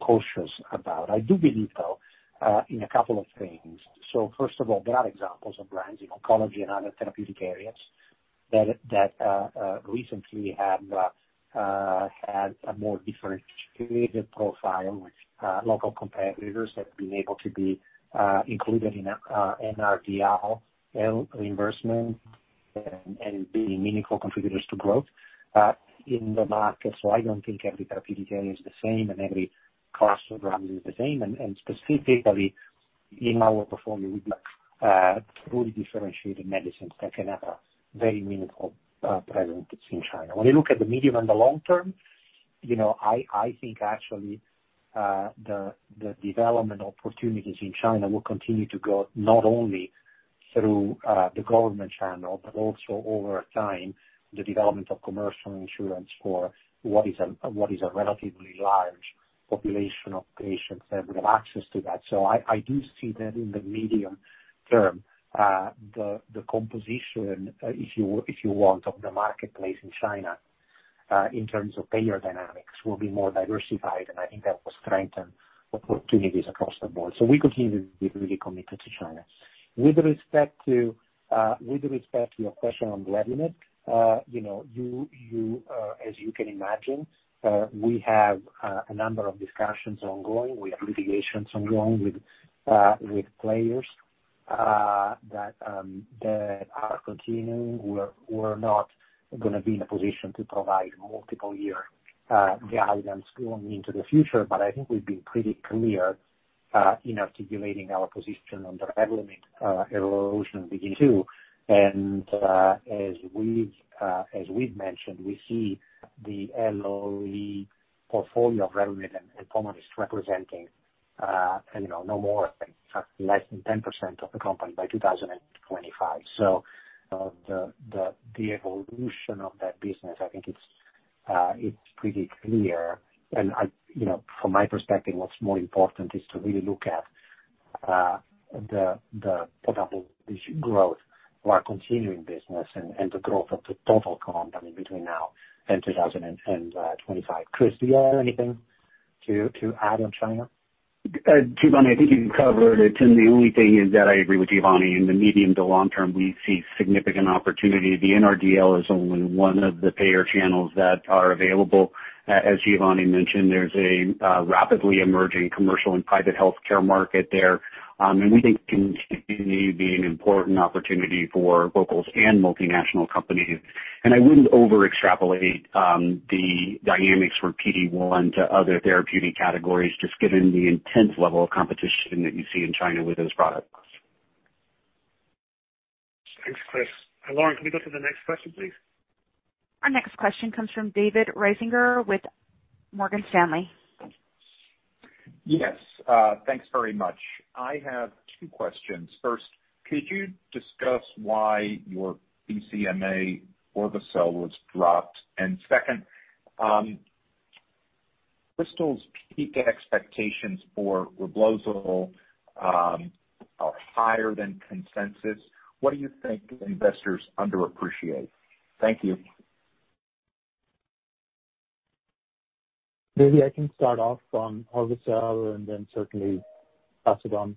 cautious about. I do believe, though, in a couple of things. First of all, there are examples of brands in oncology and other therapeutic areas that recently have had a more differentiated profile, which local competitors have been able to be included in NRDL reimbursement and be meaningful contributors to growth in the market. I don't think every therapeutic area is the same and every customer is the same. Specifically, in our portfolio, we'd like truly differentiated medicines that can have a very meaningful presence in China. When you look at the medium and the long term, I think actually, the development opportunities in China will continue to grow, not only through the government channel, but also over time, the development of commercial insurance for what is a relatively large population of patients that will have access to that. I do see that in the medium term, the composition, if you want, of the marketplace in China, in terms of payer dynamics, will be more diversified, and I think that will strengthen opportunities across the board. We continue to be really committed to China. With respect to your question on Revlimid, as you can imagine, we have a number of discussions ongoing. We have litigations ongoing with players that are continuing. We are not going to be in a position to provide multiple-year guidance going into the future. I think we have been pretty clear in articulating our position on the Revlimid evolution in BD 2022. As we have mentioned, we see the LOE portfolio of Revlimid and Pomalyst is representing no more than less than 10% of the company by 2025. The evolution of that business, I think it is pretty clear. From my perspective, what's more important is to really look at the potential growth of our continuing business and the growth of the total company between now and 2025. Chris, do you have anything to add on China? Giovanni, I think you covered it. The only thing is that I agree with Giovanni. In the medium to long term, we see significant opportunity. The NRDL is only one of the payer channels that are available. As Giovanni mentioned, there's a rapidly emerging commercial and private healthcare market there. We think it can continue being an important opportunity for locals and multinational companies. I wouldn't over extrapolate the dynamics from PD-1 to other therapeutic categories, just given the intense level of competition that you see in China with those products. Thanks, Chris. Lauren, can we go to the next question, please? Our next question comes from David Risinger with Morgan Stanley. Yes. Thanks very much. I have two questions. First, could you discuss why your BCMA ide-cel was dropped? Second, Bristol Myers Squibb peak expectations for REBLOZYL are higher than consensus. What do you think investors underappreciate? Thank you. Maybe I can start off on orvacabtagene autoleucel and then certainly pass it on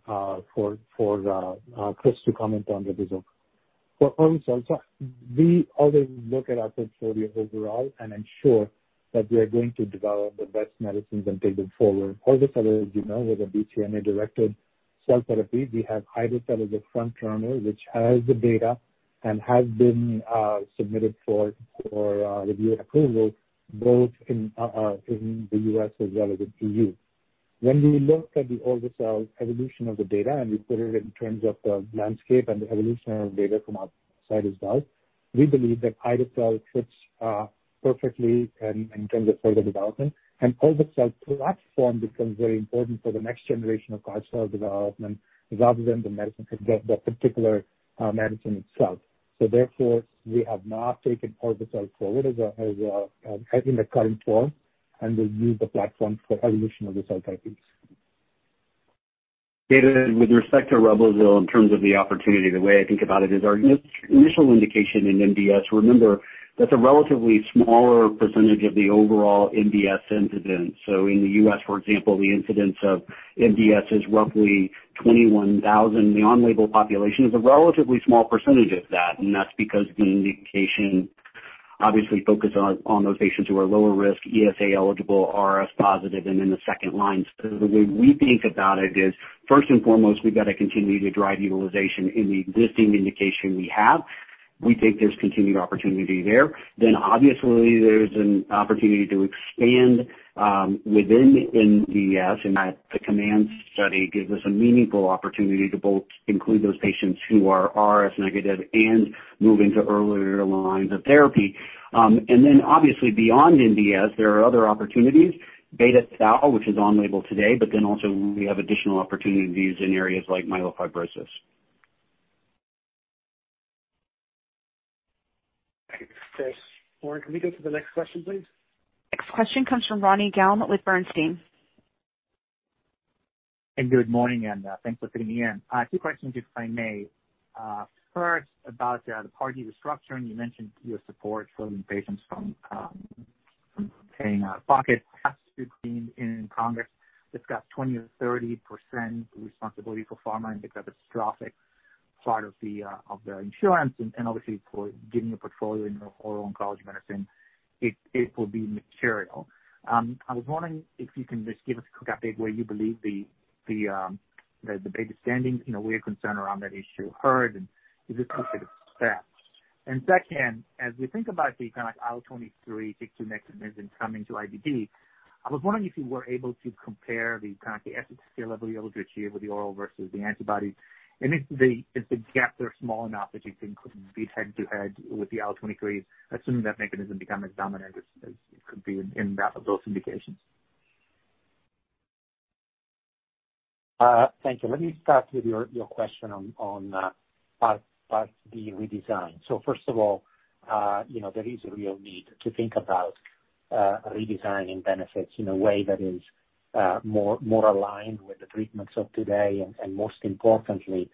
for Chris to comment on REBLOZYL. For orvacabtagene autoleucel, we always look at our portfolio overall and ensure that we are going to develop the best medicines and take them forward. orvacabtagene autoleucel, as you know, is a BCMA-directed cell therapy. We have ide-cel as a frontrunner, which has the data and has been submitted for review and approval both in the U.S. as well as the EU. When we looked at the orvacabtagene autoleucel evolution of the data, and we put it in terms of the landscape and the evolution of data from our site as well, we believe that ide-cel fits perfectly in terms of further development, and orvacabtagene autoleucel platform becomes very important for the next generation of CAR-T cell development rather than the medicine, the particular medicine itself. Therefore, we have not taken orva-cel forward in the current form, and we'll use the platform for evolution of the cell therapies. David, with respect to REBLOZYL in terms of the opportunity, the way I think about it is our initial indication in MDS, remember, that's a relatively smaller percentage of the overall MDS incidence. In the U.S., for example, the incidence of MDS is roughly 21,000. The on-label population is a relatively small percentage of that's because the indication obviously focus on those patients who are lower risk, ESA eligible, RS positive, the second line. The way we think about it is, first and foremost, we've got to continue to drive utilization in the existing indication we have. We think there's continued opportunity there. Obviously, there's an opportunity to expand within MDS, that the COMMANDS study gives us a meaningful opportunity to both include those patients who are RS negative and move into earlier lines of therapy. Obviously, beyond MDS, there are other opportunities, beta thal, which is on label today, but then also we have additional opportunities in areas like myelofibrosis. Thanks, Chris. Lauren, can we go to the next question, please? Next question comes from Ronny Gal with Bernstein. Good morning, and thanks for fitting me in. Two questions, if I may. First, about the Part D restructuring. You mentioned your support for patients from. From paying out of pocket in Congress, it's got 20% or 30% responsibility for pharma in the catastrophic part of the insurance, and obviously for getting a portfolio in oral oncology medicine, it will be material. I was wondering if you can just give us a quick update where you believe the biggest standing. We're concerned around that issue heard. Is this considered stacked? Second, as we think about the IL-23, TYK2 mechanism coming to IBD, I was wondering if you were able to compare the kind of efficacy level you're able to achieve with the oral versus the antibodies, and if the gaps are small enough that you think could be head-to-head with the IL-23, assuming that mechanism becomes as dominant as it could be in those indications. Thank you. Let me start with your question on part D redesign. First of all, there is a real need to think about redesigning benefits in a way that is more aligned with the treatments of today, and most importantly,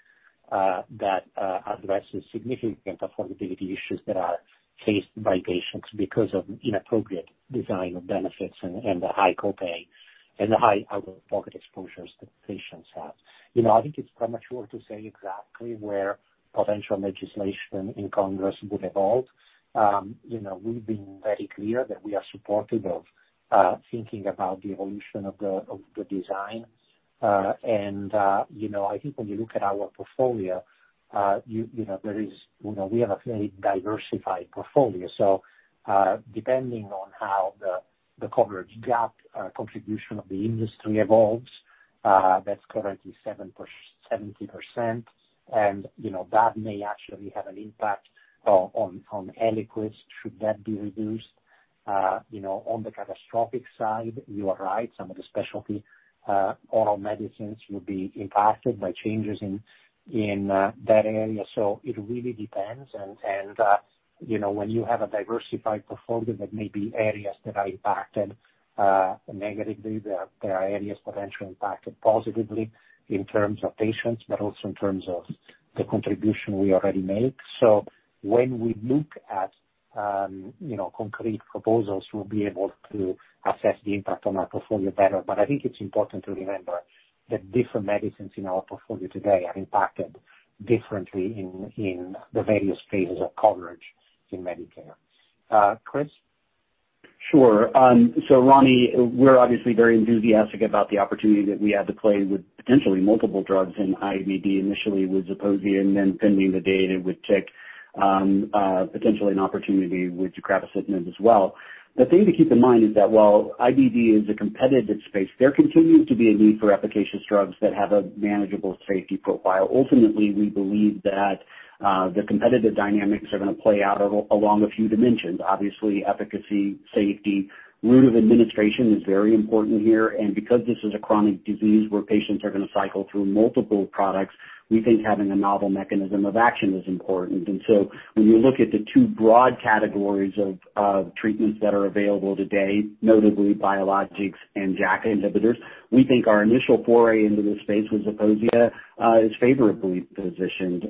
that addresses significant affordability issues that are faced by patients because of inappropriate design of benefits and the high copay and the high out-of-pocket exposures that patients have. I think it's premature to say exactly where potential legislation in Congress would evolve. We've been very clear that we are supportive of thinking about the evolution of the design. I think when you look at our portfolio, we have a very diversified portfolio. Depending on how the coverage gap contribution of the industry evolves, that's currently 70%, and that may actually have an impact on Eliquis should that be reduced. On the catastrophic side, you are right, some of the specialty oral medicines will be impacted by changes in that area. It really depends, and when you have a diversified portfolio, there may be areas that are impacted negatively. There are areas potentially impacted positively in terms of patients, but also in terms of the contribution we already make. When we look at concrete proposals, we'll be able to assess the impact on our portfolio better. I think it's important to remember that different medicines in our portfolio today are impacted differently in the various phases of coverage in Medicare. Chris? Sure. Ronny, we're obviously very enthusiastic about the opportunity that we have to play with potentially multiple drugs in IBD, initially with Zeposia and then pending the data with TYK2, potentially an opportunity with deucravacitinib as well. The thing to keep in mind is that while IBD is a competitive space, there continues to be a need for efficacious drugs that have a manageable safety profile. Ultimately, we believe that the competitive dynamics are going to play out along a few dimensions. Obviously, efficacy, safety, route of administration is very important here, and because this is a chronic disease where patients are going to cycle through multiple products, we think having a novel mechanism of action is important. When you look at the two broad categories of treatments that are available today, notably biologics and JAK inhibitors, we think our initial foray into this space with Zeposia is favorably positioned.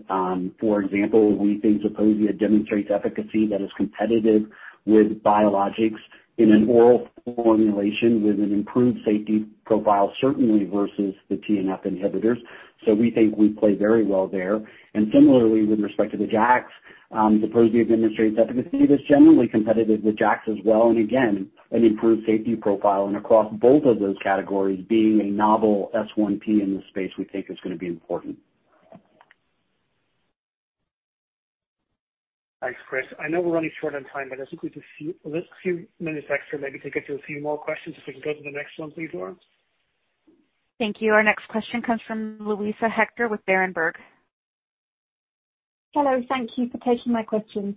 For example, we think Zeposia demonstrates efficacy that is competitive with biologics in an oral formulation with an improved safety profile, certainly versus the TNF inhibitors. We think we play very well there. Similarly, with respect to the JAKs, Zeposia demonstrates efficacy that's generally competitive with JAKs as well, and again, an improved safety profile. Across both of those categories, being a novel S1P in this space we think is going to be important. Thanks, Chris. I know we're running short on time. I think we've a few minutes extra maybe to get to a few more questions. If we can go to the next one, please, Lauren. Thank you. Our next question comes from Luisa Hector with Berenberg. Hello. Thank you for taking my question.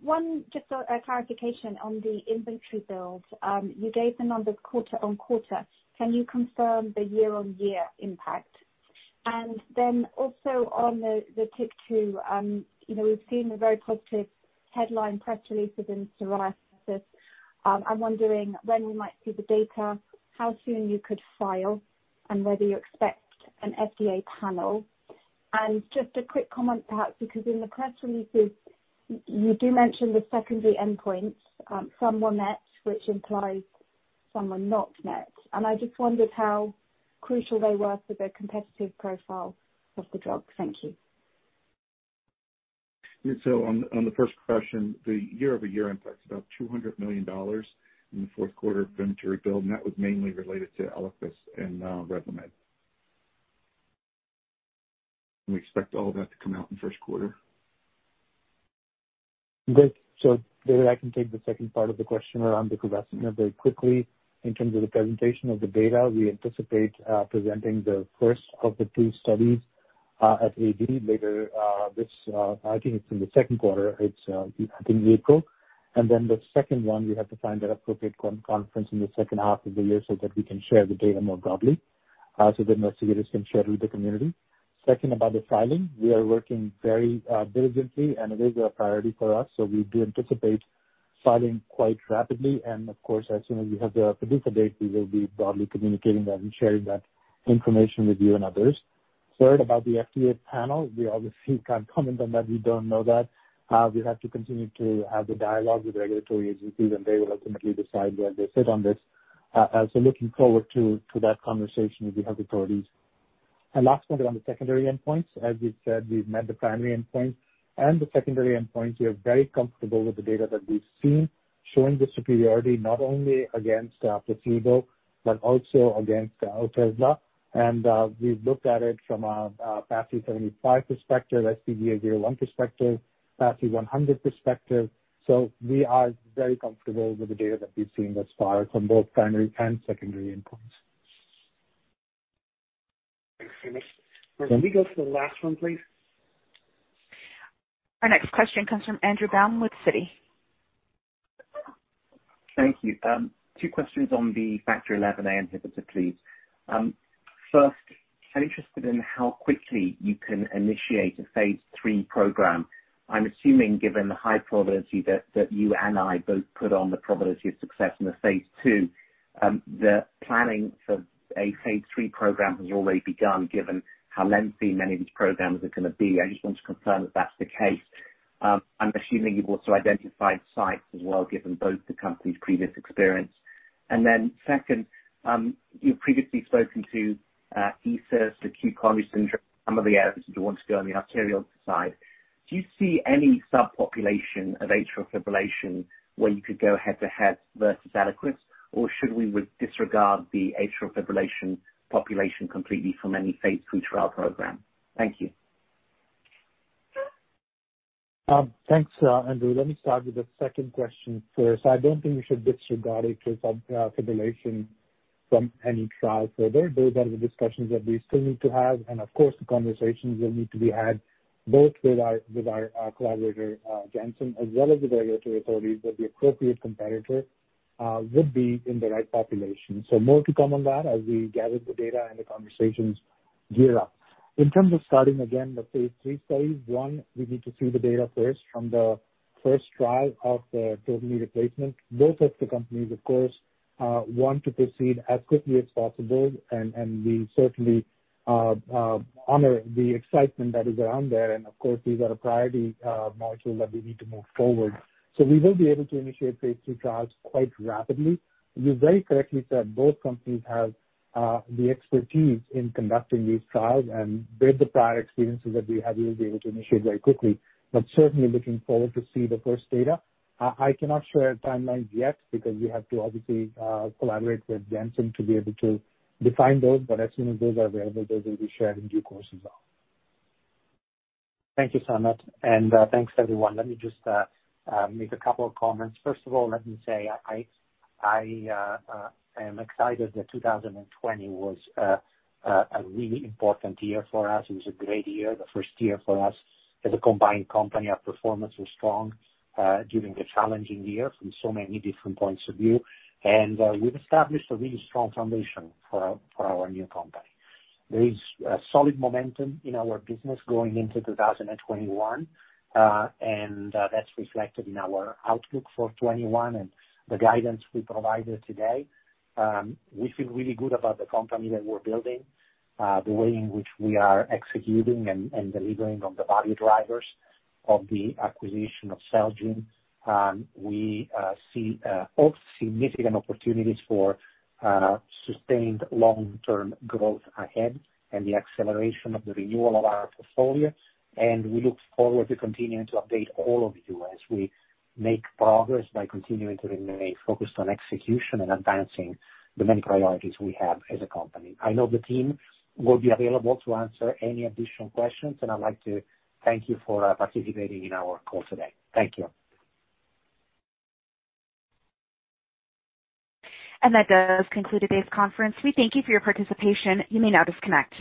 One, just a clarification on the inventory build. You gave the numbers quarter-on-quarter. Can you confirm the year-on-year impact? Then also on the TYK2, we've seen the very positive headline press releases in psoriasis. I'm wondering when we might see the data, how soon you could file, and whether you expect an FDA panel. Just a quick comment, perhaps, because in the press releases you do mention the secondary endpoints, some were met, which implies some were not met. I just wondered how crucial they were for the competitive profile of the drug. Thank you. On the first question, the year-over-year impact is about $200 million in the fourth quarter inventory build, and that was mainly related to Eliquis and Revlimid. We expect all that to come out in the first quarter. Great. David, I can take the second part of the question around tocilizumab very quickly. In terms of the presentation of the data, we anticipate presenting the first of the two studies at AAD later this, I think it's in the second quarter. It's, I think, April. The second one, we have to find an appropriate conference in the second half of the year so that we can share the data more broadly, so the investigators can share with the community. Second, about the filing. We are working very diligently, and it is a priority for us, so we do anticipate filing quite rapidly, and of course, as soon as we have the PDUFA date, we will be broadly communicating that and sharing that information with you and others. Heard about the FDA panel. We obviously can't comment on that. We don't know that. We have to continue to have the dialogue with regulatory agencies, and they will ultimately decide where they sit on this. Looking forward to that conversation with the health authorities. Last one, on the secondary endpoints, as we've said, we've met the primary endpoint and the secondary endpoint. We are very comfortable with the data that we've seen, showing the superiority not only against placebo but also against Otezla. We've looked at it from a PASI 75 perspective, sPGA 0/1 perspective, PASI 100 perspective. We are very comfortable with the data that we've seen thus far from both primary and secondary endpoints. Thanks very much. Can we go to the last one, please? Our next question comes from Andrew Baum with Citi. Thank you. Two questions on the Factor XIa inhibitor, please. First, I'm interested in how quickly you can initiate a phase III program. I'm assuming, given the high probability that you and I both put on the probability of success in the phase II, the planning for a phase III program has already begun given how lengthy many of these programs are going to be. I just want to confirm that's the case. I'm assuming you've also identified sites as well, given both the company's previous experience. Second, you've previously spoken to ESUS acute coronary syndrome, some of the areas that you want to go on the arterial side. Do you see any subpopulation of atrial fibrillation where you could go head-to-head versus Eliquis? Should we disregard the atrial fibrillation population completely from any phase II trial program? Thank you. Thanks, Andrew. Let me start with the second question first. I don't think we should disregard atrial fibrillation from any trial further. Those are the discussions that we still need to have and, of course, the conversations will need to be had both with our collaborator, Janssen, as well as the regulatory authorities that the appropriate competitor would be in the right population. More to come on that as we gather the data and the conversations gear up. In terms of starting again the phase III studies, one, we need to see the data first from the first trial of the total knee replacement. Both of the companies, of course, want to proceed as quickly as possible, and we certainly honor the excitement that is around there. Of course, these are a priority molecule that we need to move forward. We will be able to initiate phase III trials quite rapidly. You very correctly said both companies have the expertise in conducting these trials and with the prior experiences that we have, we will be able to initiate very quickly. Certainly looking forward to see the first data. I cannot share timelines yet because we have to obviously collaborate with Janssen to be able to define those. As soon as those are available, those will be shared in due course as well. Thank you, Samit, and thanks, everyone. Let me just make a couple of comments. First of all, let me say I am excited that 2020 was a really important year for us. It was a great year, the first year for us as a combined company. Our performance was strong during a challenging year from so many different points of view. We've established a really strong foundation for our new company. There is solid momentum in our business going into 2021, and that's reflected in our outlook for 2021 and the guidance we provided today. We feel really good about the company that we're building, the way in which we are executing and delivering on the value drivers of the acquisition of Celgene. We see significant opportunities for sustained long-term growth ahead and the acceleration of the renewal of our portfolio. We look forward to continuing to update all of you as we make progress by continuing to remain focused on execution and advancing the many priorities we have as a company. I know the team will be available to answer any additional questions, and I'd like to thank you for participating in our call today. Thank you. That does conclude today's conference. We thank you for your participation. You may now disconnect.